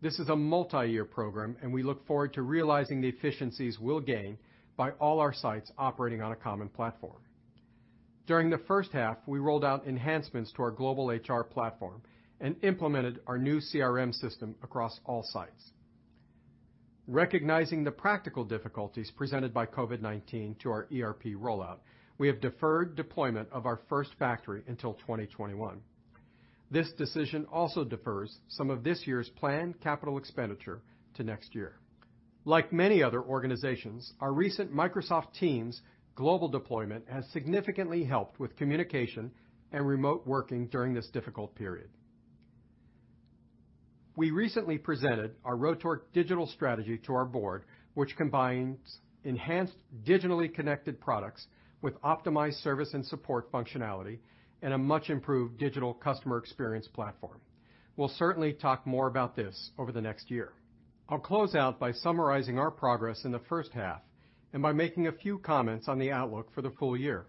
This is a multi-year program, and we look forward to realizing the efficiencies we'll gain by all our sites operating on a common platform. During the first half, we rolled out enhancements to our global HR platform and implemented our new CRM system across all sites. Recognizing the practical difficulties presented by COVID-19 to our ERP rollout, we have deferred deployment of our first factory until 2021. This decision also defers some of this year's planned capital expenditure to next year. Like many other organizations, our recent Microsoft Teams global deployment has significantly helped with communication and remote working during this difficult period. We recently presented our Rotork digital strategy to our board, which combines enhanced digitally connected products with optimized service and support functionality and a much improved digital customer experience platform. We'll certainly talk more about this over the next year. I'll close out by summarizing our progress in the first half, and by making a few comments on the outlook for the full year.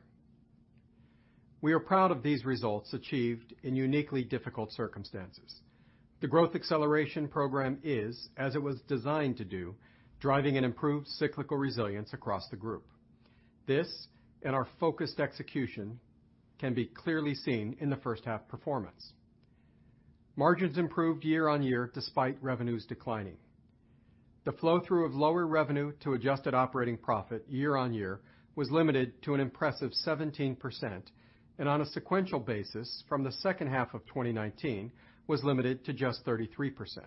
We are proud of these results achieved in uniquely difficult circumstances. The Growth Acceleration Programme is, as it was designed to do, driving an improved cyclical resilience across the group. This, and our focused execution, can be clearly seen in the first half performance. Margins improved year-on-year despite revenues declining. The flow-through of lower revenue to adjusted operating profit year-on-year was limited to an impressive 17%, and on a sequential basis from the second half of 2019, was limited to just 33%.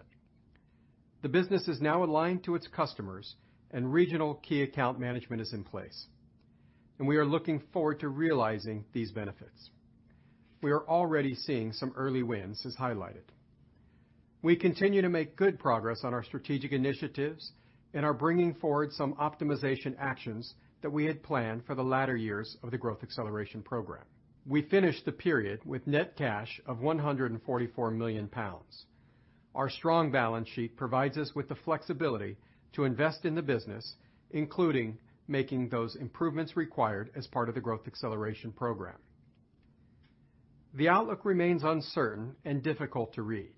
The business is now aligned to its customers, and regional key account management is in place, and we are looking forward to realizing these benefits. We are already seeing some early wins, as highlighted. We continue to make good progress on our strategic initiatives and are bringing forward some optimization actions that we had planned for the latter years of the Growth Acceleration Programme. We finished the period with net cash of 144 million pounds. Our strong balance sheet provides us with the flexibility to invest in the business, including making those improvements required as part of the Growth Acceleration Programme. The outlook remains uncertain and difficult to read.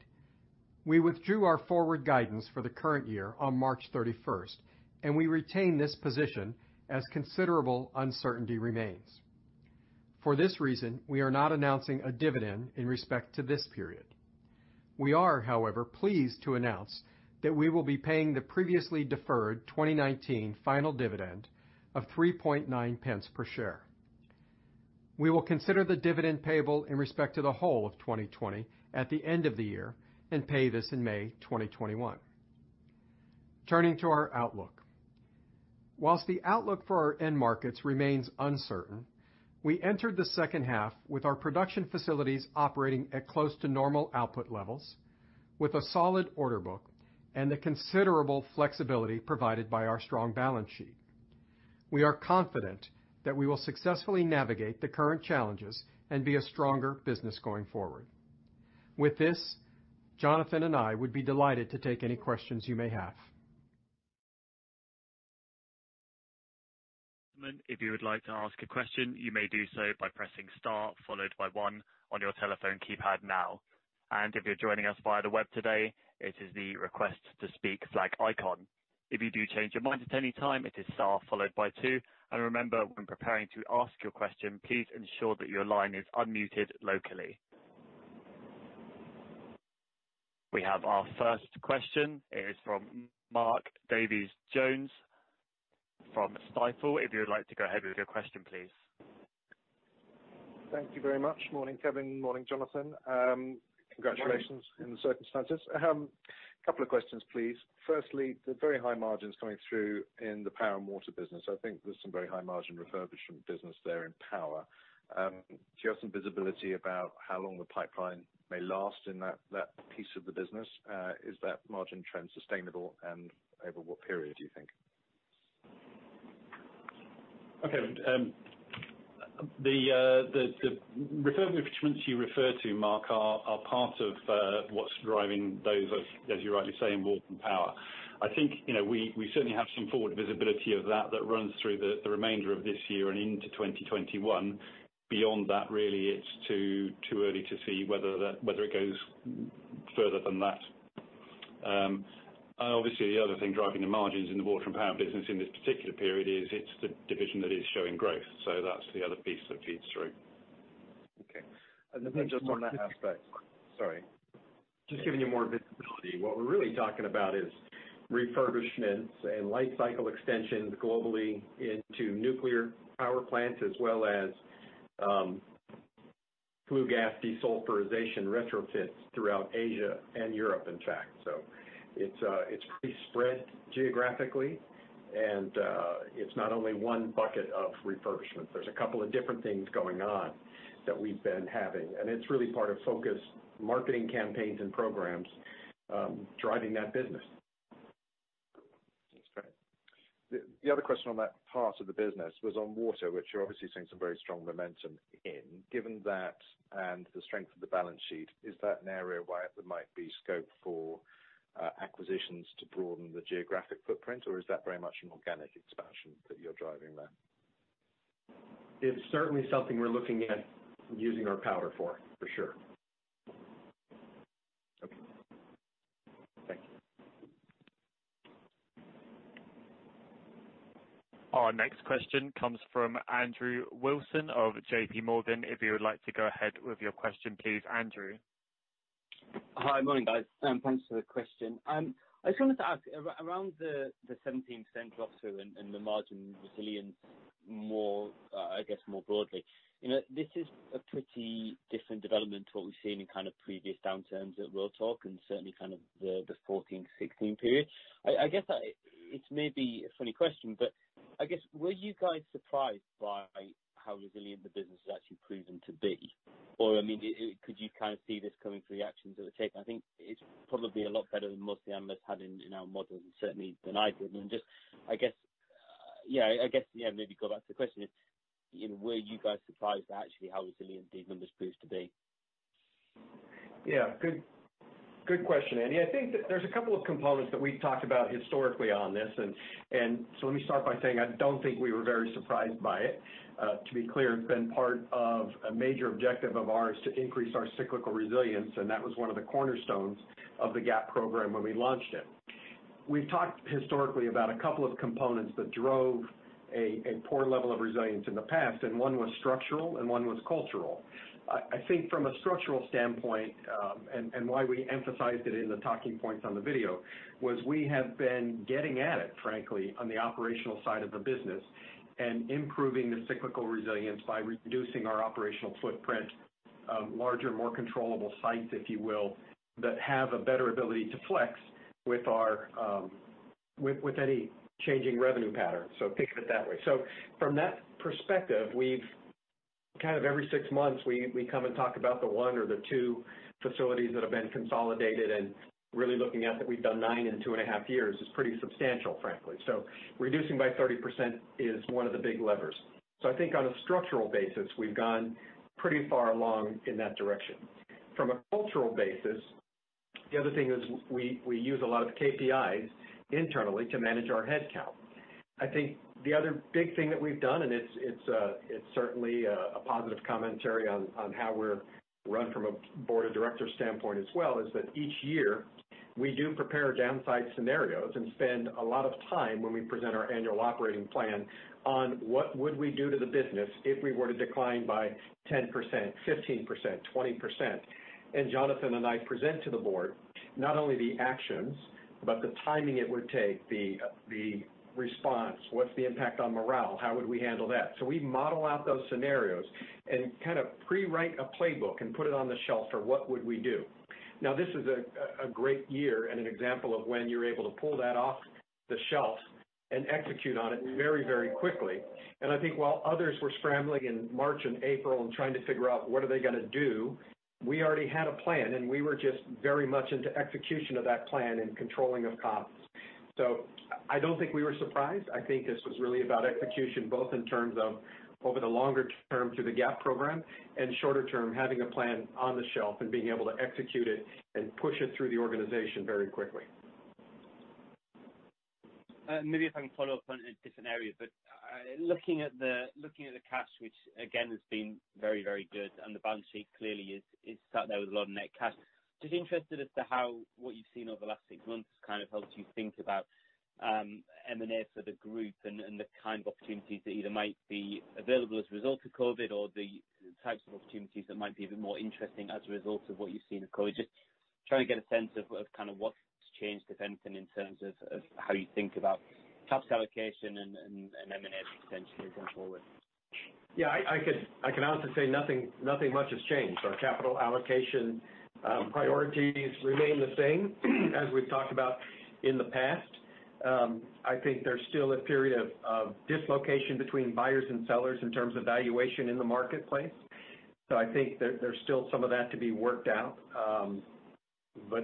We withdrew our forward guidance for the current year on March 31st. We retain this position as considerable uncertainty remains. For this reason, we are not announcing a dividend in respect to this period. We are, however, pleased to announce that we will be paying the previously deferred 2019 final dividend of 0.039 per share. We will consider the dividend payable in respect to the whole of 2020 at the end of the year and pay this in May 2021. Turning to our outlook. While the outlook for our end markets remains uncertain, we entered the second half with our production facilities operating at close to normal output levels, with a solid order book, and the considerable flexibility provided by our strong balance sheet. We are confident that we will successfully navigate the current challenges and be a stronger business going forward. With this, Jonathan and I would be delighted to take any questions you may have. If you would like to ask a question, you may do so by pressing star followed by one on your telephone keypad now. If you're joining us via the web today, it is the Request to Speak flag icon. If you do change your mind at any time, it is star followed by two. Remember, when preparing to ask your question, please ensure that your line is unmuted locally. We have our first question. It is from Mark Davies Jones from Stifel. If you would like to go ahead with your question, please. Thank you very much. Morning, Kevin. Morning, Jonathan. Morning. Congratulations in the circumstances. Couple of questions, please. Firstly, the very high margins coming through in the power and water business, I think there's some very high margin refurbishment business there in power. Do you have some visibility about how long the pipeline may last in that piece of the business? Is that margin trend sustainable, and over what period do you think? Okay. The refurbishments you refer to, Mark, are part of what's driving those as, you rightly say, in water and power. I think we certainly have some forward visibility of that that runs through the remainder of this year and into 2021. Beyond that, really it's too early to see whether it goes further than that. Obviously, the other thing driving the margins in the water and power business in this particular period is it's the division that is showing growth. That's the other piece that feeds through. Okay. Just on that aspect. Sorry. Just giving you more visibility. What we're really talking about is refurbishments and Flue Gas Desulfurization retrofits throughout Asia and Europe, in fact. It's pretty spread geographically and it's not only one bucket of refurbishment. There's a couple of different things going on that we've been having, and it's really part of focused marketing campaigns and programs driving that business. That's great. The other question on that part of the business was on water, which you're obviously seeing some very strong momentum in. Given that and the strength of the balance sheet, is that an area where there might be scope for acquisitions to broaden the geographic footprint, or is that very much an organic expansion that you're driving there? It's certainly something we're looking at using our power for sure. Okay. Thank you. Our next question comes from Andrew Wilson of JPMorgan. If you would like to go ahead with your question, please, Andrew. Hi. Morning, guys. Thanks for the question. I just wanted to ask around the 17% drop through and the margin resilience more broadly. This is a pretty different development to what we've seen in kind of previous downturns at Rotork and certainly the 2014, 2016 period. I guess it may be a funny question, I guess were you guys surprised by how resilient the business has actually proven to be? Could you kind of see this coming through the actions that it took? I think it's probably a lot better than most of the analysts had in our models and certainly than I could. Just, I guess, maybe go back to the question is, were you guys surprised at actually how resilient these numbers proved to be? Yeah. Good question, Andy. I think that there's a couple of components that we've talked about historically on this. Let me start by saying, I don't think we were very surprised by it. To be clear, it's been part of a major objective of ours to increase our cyclical resilience, and that was one of the cornerstones of the GAP program when we launched it. We've talked historically about a couple of components that drove a poor level of resilience in the past, and one was structural and one was cultural. I think from a structural standpoint, and why we emphasized it in the talking points on the video, was we have been getting at it, frankly, on the operational side of the business, and improving the cyclical resilience by reducing our operational footprint, larger, more controllable sites, if you will, that have a better ability to flex with any changing revenue patterns. Think of it that way. From that perspective, every six months, we come and talk about the one or the two facilities that have been consolidated, and really looking at that we've done nine in 2.5 years is pretty substantial, frankly. Reducing by 30% is one of the big levers. I think on a structural basis, we've gone pretty far along in that direction. From a cultural basis, the other thing is we use a lot of KPIs internally to manage our headcount. I think the other big thing that we've done, and it's certainly a positive commentary on how we're run from a Board of Directors standpoint as well, is that each year we do prepare downside scenarios and spend a lot of time when we present our annual operating plan on what would we do to the business if we were to decline by 10%, 15%, 20%. Jonathan and I present to the board, not only the actions, but the timing it would take, the response, what's the impact on morale? How would we handle that? We model out those scenarios and pre-write a playbook and put it on the shelf for what would we do. This is a great year and an example of when you're able to pull that off the shelf and execute on it very quickly. I think while others were scrambling in March and April and trying to figure out what are they gonna do, we already had a plan and we were just very much into execution of that plan and controlling of costs. I don't think we were surprised. I think this was really about execution, both in terms of over the longer term through the GAP program and shorter term, having a plan on the shelf and being able to execute it and push it through the organization very quickly. Maybe if I can follow up on a different area, looking at the cash, which again has been very good, and the balance sheet clearly is sat there with a lot of net cash. Interested as to how what you've seen over the last six months kind of helped you think about M&A for the group and the kind of opportunities that either might be available as a result of COVID, or the types of opportunities that might be even more interesting as a result of what you've seen with COVID. Trying to get a sense of what's changed, if anything, in terms of how you think about capital allocation and M&A potentially going forward. Yeah, I can honestly say nothing much has changed. Our capital allocation priorities remain the same as we've talked about in the past. I think there's still a period of dislocation between buyers and sellers in terms of valuation in the marketplace. I think there's still some of that to be worked out.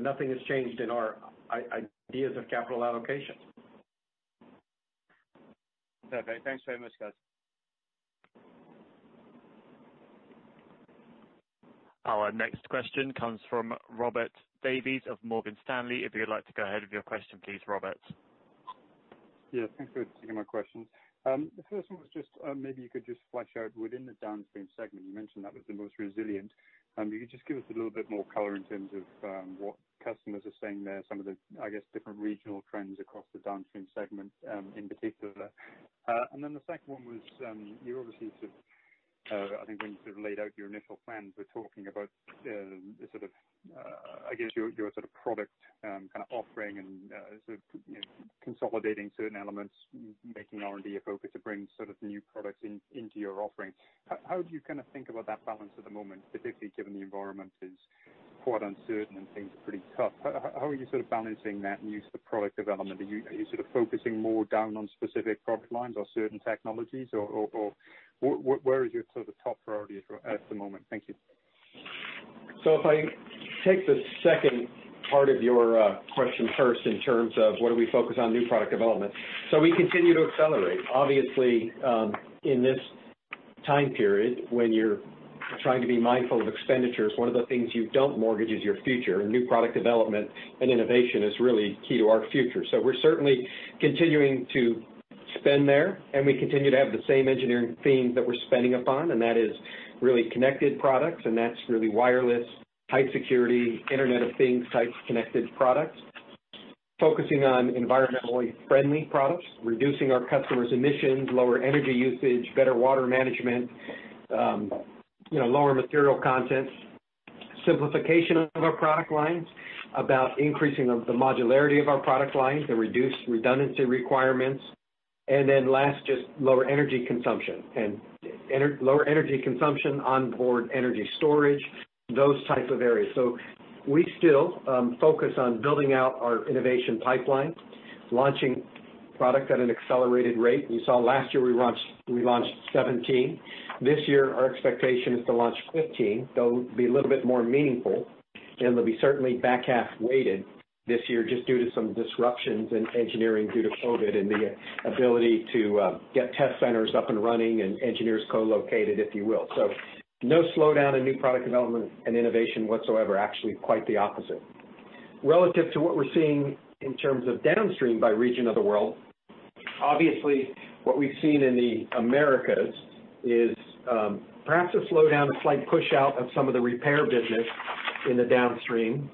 Nothing has changed in our ideas of capital allocation. Okay, thanks very much, guys. Our next question comes from Robert Davies of Morgan Stanley. If you would like to go ahead with your question please, Robert. Yeah, thanks for taking my questions. The first one was maybe you could just flesh out within the downstream segment, you mentioned that was the most resilient. If you could just give us a little bit more color in terms of what customers are saying there, some of the, I guess, different regional trends across the downstream segment, in particular. The second one was, you obviously said, I think when you sort of laid out your initial plans, were talking about, I guess your sort of product kind of offering and consolidating certain elements, making R&D a focus to bring sort of new products into your offering. How do you kind of think about that balance at the moment, specifically given the environment is quite uncertain and things are pretty tough? How are you sort of balancing that in use of product development? Are you sort of focusing more down on specific product lines or certain technologies, or where is your sort of top priority at the moment? Thank you. If I take the second part of your question first in terms of what do we focus on new product development. We continue to accelerate. Obviously, in this time period when you're trying to be mindful of expenditures, one of the things you don't mortgage is your future. New product development and innovation is really key to our future. We're certainly continuing to spend there, and we continue to have the same engineering themes that we're spending upon, and that is really connected products, and that's really wireless type security, Internet of Things type connected products. Focusing on environmentally friendly products, reducing our customers' emissions, lower energy usage, better water management, lower material content. Simplification of our product lines, about increasing of the modularity of our product lines that reduce redundancy requirements. Then last, just lower energy consumption and lower energy consumption on board energy storage, those type of areas. We still focus on building out our innovation pipeline, launching product at an accelerated rate. You saw last year we launched 17. This year our expectation is to launch 15, they'll be a little bit more meaningful. They'll be certainly back-half weighted this year just due to some disruptions in engineering due to COVID and the ability to get test centers up and running and engineers co-located, if you will. No slowdown in new product development and innovation whatsoever. Actually, quite the opposite. Relative to what we're seeing in terms of downstream by region of the world, obviously, what we've seen in the Americas is perhaps a slowdown, a slight push-out of some of the repair business in the downstream.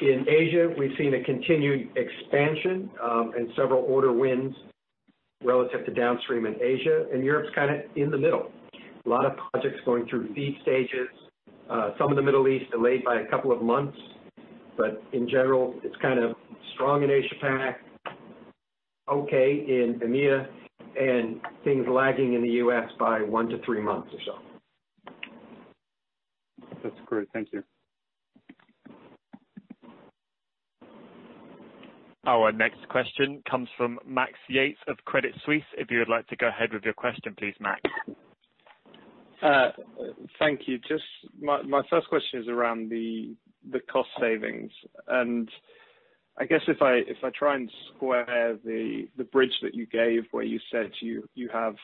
In Asia, we've seen a continued expansion, and several order wins relative to downstream in Asia, and Europe is kind of in the middle. A lot of projects going through FEED stages, some of the Middle East delayed by a couple of months. In general, it's kind of strong in Asia-Pac, okay in EMEA, and things lagging in the U.S. by one to three months or so. That's great. Thank you. Our next question comes from Max Yates of Credit Suisse. If you would like to go ahead with your question, please, Max. Thank you. Just my first question is around the cost savings. I guess if I try and square the bridge that you gave where you said you have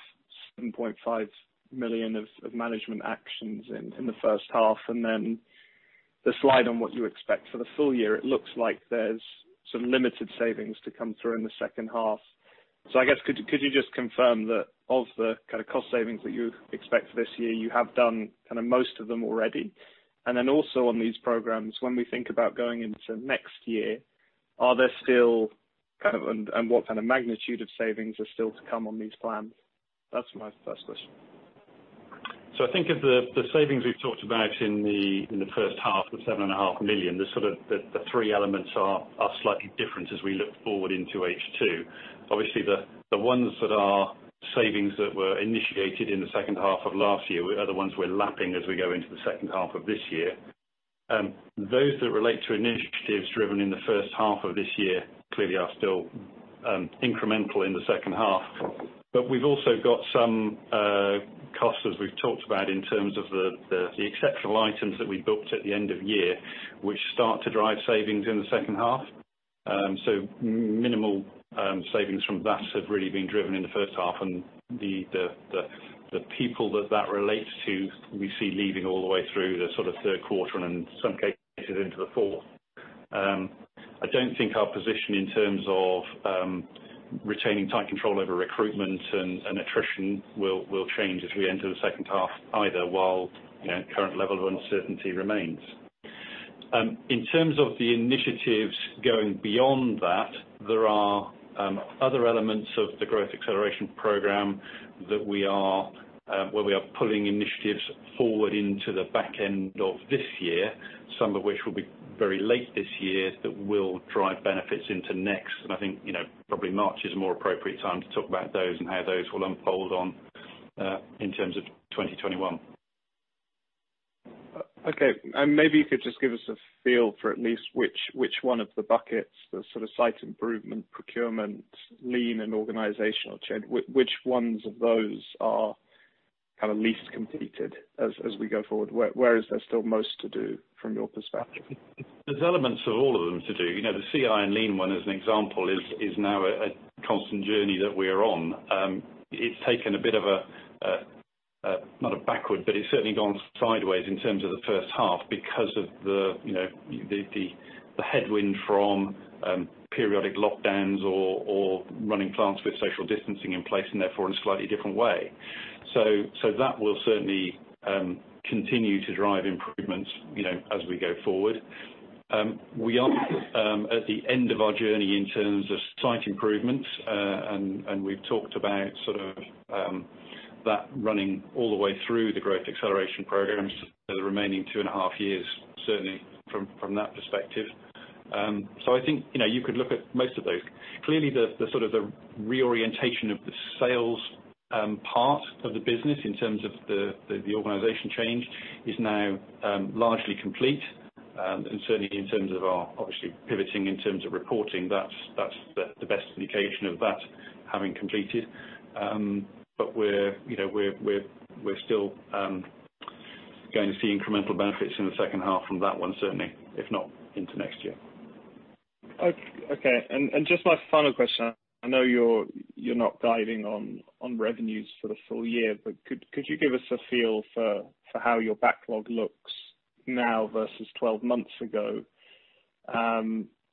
7.5 million of management actions in the first half, then the slide on what you expect for the full year, it looks like there's some limited savings to come through in the second half. I guess could you just confirm that of the kind of cost savings that you expect for this year, you have done kind of most of them already? Also on these programs, when we think about going into next year, are there still kind of, and what kind of magnitude of savings are still to come on these plans? That's my first question. I think of the savings we've talked about in the first half, the 7.5 million, the sort of the three elements are slightly different as we look forward into H2. Obviously, the ones that are savings that were initiated in the second half of last year are the ones we're lapping as we go into the second half of this year. Those that relate to initiatives driven in the first half of this year clearly are still incremental in the second half. We've also got some costs, as we've talked about in terms of the exceptional items that we booked at the end of year, which start to drive savings in the second half. Minimal savings from that have really been driven in the first half. The people that relates to, we see leaving all the way through the sort of third quarter and in some cases into the fourth. I don't think our position in terms of retaining tight control over recruitment and attrition will change as we enter the second half either while current level of uncertainty remains. In terms of the initiatives going beyond that, there are other elements of the Growth Acceleration Programme where we are pulling initiatives forward into the back end of this year, some of which will be very late this year, that will drive benefits into next. I think probably March is a more appropriate time to talk about those and how those will unfold on in terms of 2021. Okay. Maybe you could just give us a feel for at least which one of the buckets, the sort of site improvement, procurement, lean, and organizational change, which ones of those are kind of least completed as we go forward? Where is there still most to do from your perspective? There's elements of all of them to do. The CI and lean one, as an example, is now a constant journey that we are on. It's taken a bit of, not a backward, but it's certainly gone sideways in terms of the first half because of the headwind from periodic lockdowns or running plants with social distancing in place, and therefore in a slightly different way. That will certainly continue to drive improvements as we go forward. We aren't at the end of our journey in terms of site improvements, and we've talked about sort of that running all the way through the Growth Acceleration Programme for the remaining 2.5 years, certainly from that perspective. I think you could look at most of those. The sort of reorientation of the sales part of the business in terms of the organization change is now largely complete, and certainly in terms of our obviously pivoting in terms of reporting, that's the best indication of that having completed. We're still going to see incremental benefits in the second half from that one, certainly, if not into next year. Okay. Just my final question, I know you're not guiding on revenues for the full year, could you give us a feel for how your backlog looks now versus 12 months ago?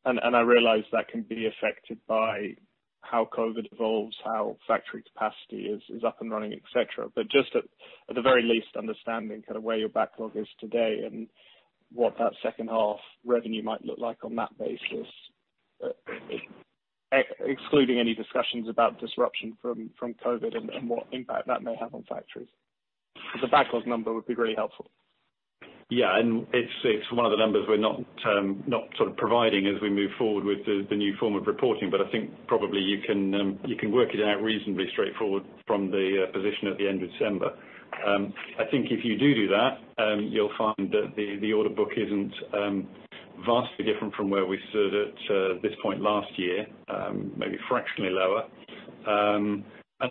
I realize that can be affected by how COVID evolves, how factory capacity is up and running, et cetera. Just at the very least, understanding kind of where your backlog is today and what that second half revenue might look like on that basis, excluding any discussions about disruption from COVID and what impact that may have on factories. The backlog number would be really helpful. Yeah. It's one of the numbers we're not sort of providing as we move forward with the new form of reporting. I think probably you can work it out reasonably straightforward from the position at the end of December. I think if you do that, you'll find that the order book isn't vastly different from where we stood at this point last year. Maybe fractionally lower.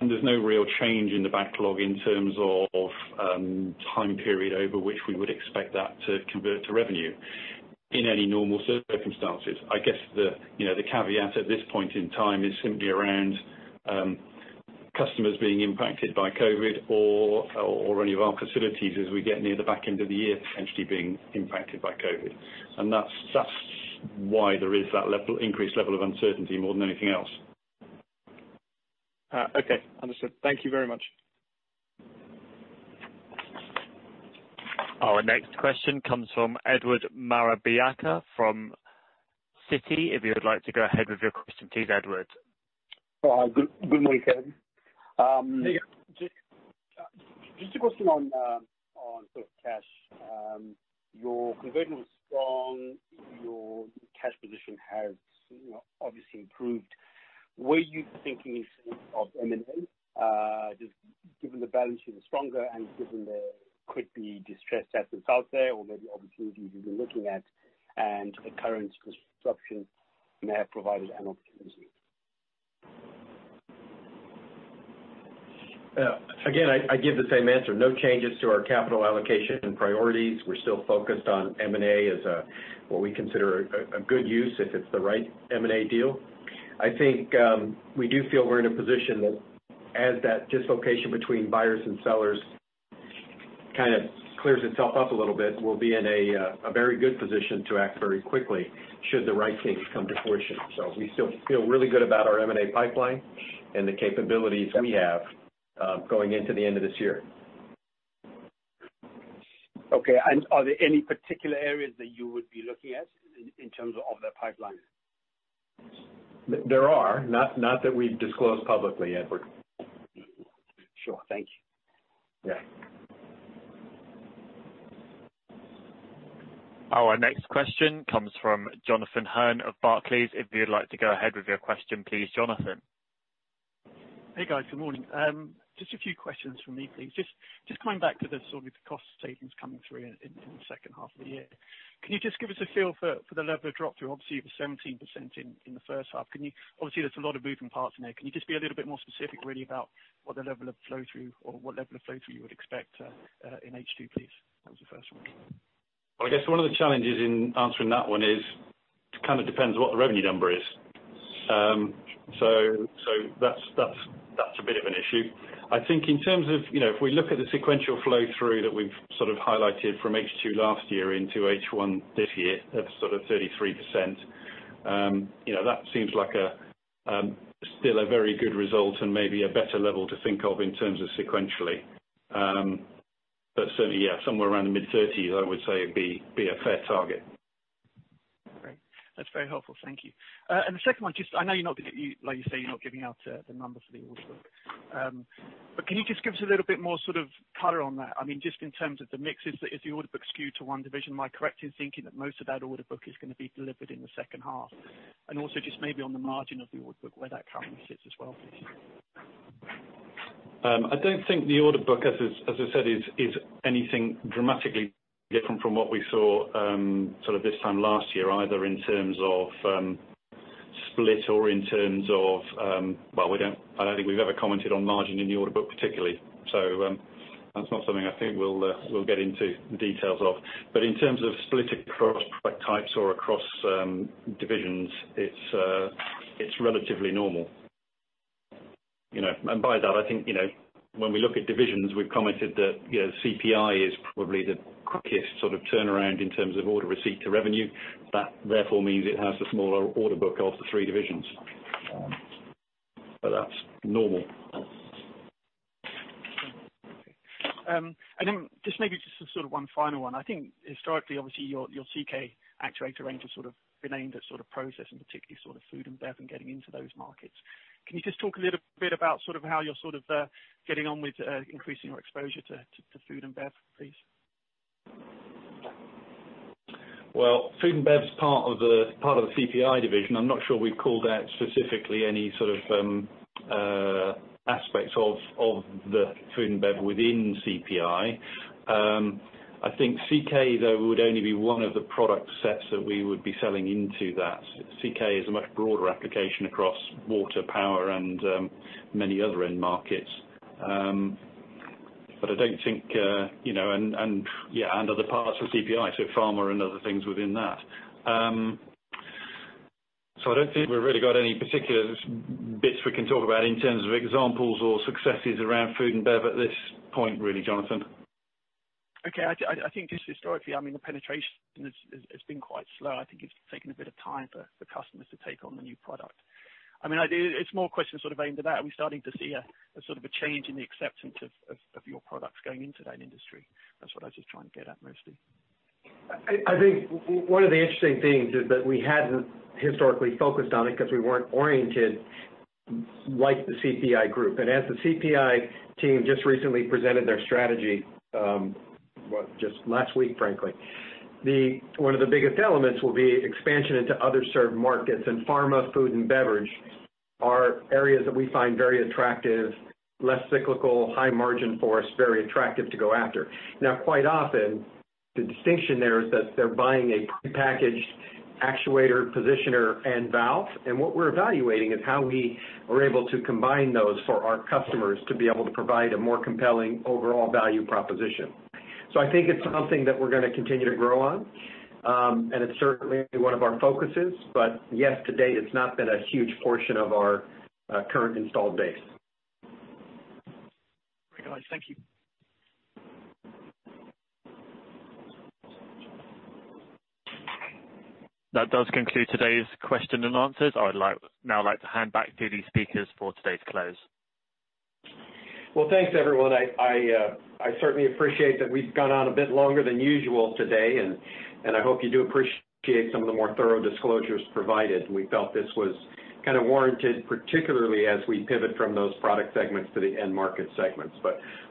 There's no real change in the backlog in terms of time period over which we would expect that to convert to revenue in any normal circumstances. I guess the caveat at this point in time is simply around customers being impacted by COVID-19, or any of our facilities as we get near the back end of the year potentially being impacted by COVID-19. That's why there is that increased level of uncertainty more than anything else. Okay. Understood. Thank you very much. Our next question comes from Edward Maravanyika from Citi. If you would like to go ahead with your question, please, Edward. Good morning, Kevin. Hey. Just a question on sort of cash. Your conversion was strong, your cash position has obviously improved. Were you thinking of M&A? Just given the balance sheet is stronger and given there could be distressed assets out there or maybe opportunities you've been looking at and the current disruption may have provided an opportunity. Again, I give the same answer. No changes to our capital allocation and priorities. We're still focused on M&A as what we consider a good use if it's the right M&A deal. I think we do feel we're in a position that as that dislocation between buyers and sellers kind of clears itself up a little bit, we'll be in a very good position to act very quickly should the right things come to fruition. We still feel really good about our M&A pipeline and the capabilities we have going into the end of this year. Okay. Are there any particular areas that you would be looking at in terms of the pipeline? There are. Not that we disclose publicly, Edward. Sure. Thank you. Yeah. Our next question comes from Jonathan Hurn of Barclays. If you'd like to go ahead with your question, please, Jonathan. Hey, guys. Good morning. Just a few questions from me, please. Just coming back to the sort of cost savings coming through in the second half of the year. Can you just give us a feel for the level of drop through? Obviously, it was 17% in the first half. Obviously, there's a lot of moving parts in there. Can you just be a little bit more specific really about what the level of flow through or what level of flow through you would expect in H2, please? That was the first one. Well, I guess one of the challenges in answering that one is it kind of depends what the revenue number is. That's a bit of an issue. I think in terms of if we look at the sequential flow through that we've sort of highlighted from H2 last year into H1 this year of sort of 33%, that seems like still a very good result and maybe a better level to think of in terms of sequentially. Certainly, yeah, somewhere around the mid-thirties, I would say, would be a fair target. Great. That's very helpful. Thank you. The second one, like you say, you're not giving out the number for the order book. Can you just give us a little bit more sort of color on that? Just in terms of the mixes, is the order book skewed to one division? Am I correct in thinking that most of that order book is going to be delivered in the second half? Also just maybe on the margin of the order book, where that currently sits as well, please. I don't think the order book, as I said, is anything dramatically different from what we saw this time last year, either in terms of split or in terms of Well, I don't think we've ever commented on margin in the order book particularly. That's not something I think we'll get into the details of. In terms of split across product types or across divisions, it's relatively normal. By that, I think, when we look at divisions, we've commented that CPI is probably the quickest sort of turnaround in terms of order receipt to revenue. That therefore means it has the smaller order book of the three divisions. That's normal. Okay. Just maybe just one final one. I think historically, obviously, your CK actuator range has been aimed at process and particularly food and bev and getting into those markets. Can you just talk a little bit about how you're getting on with increasing your exposure to food and bev, please? Well, food and bev is part of the CPI division. I'm not sure we've called out specifically any sort of aspects of the food and bev within CPI. I think CK, though, would only be one of the product sets that we would be selling into that. CK is a much broader application across water, power, and many other end markets. Other parts of CPI, so pharma and other things within that. I don't think we've really got any particular bits we can talk about in terms of examples or successes around food and bev at this point, really, Jonathan. I think just historically, the penetration has been quite slow. I think it's taken a bit of time for customers to take on the new product. It's more a question sort of aimed at that. Are we starting to see a sort of a change in the acceptance of your products going into that industry? That's what I was just trying to get at, mostly. I think one of the interesting things is that we hadn't historically focused on it because we weren't oriented like the CPI group. As the CPI team just recently presented their strategy, just last week, frankly, one of the biggest elements will be expansion into other served markets, and pharma, food, and beverage are areas that we find very attractive, less cyclical, high margin for us, very attractive to go after. Now, quite often, the distinction there is that they're buying a prepackaged actuator, positioner, and valve, and what we're evaluating is how we are able to combine those for our customers to be able to provide a more compelling overall value proposition. I think it's something that we're going to continue to grow on. It's certainly one of our focuses. Yes, to date, it's not been a huge portion of our current installed base. Great, guys. Thank you. That does conclude today's question and answers. I would now like to hand back to the speakers for today's close. Well, thanks, everyone. I certainly appreciate that we've gone on a bit longer than usual today, and I hope you do appreciate some of the more thorough disclosures provided. We felt this was kind of warranted, particularly as we pivot from those product segments to the end market segments.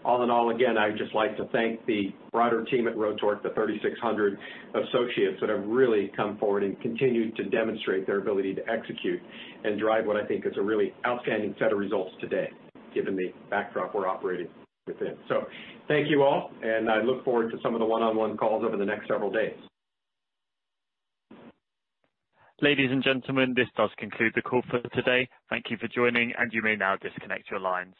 All in all, again, I'd just like to thank the broader team at Rotork, the 3,600 associates that have really come forward and continued to demonstrate their ability to execute and drive what I think is a really outstanding set of results today, given the backdrop we're operating within. Thank you all, and I look forward to some of the one-on-one calls over the next several days. Ladies and gentlemen, this does conclude the call for today. Thank you for joining, and you may now disconnect your lines.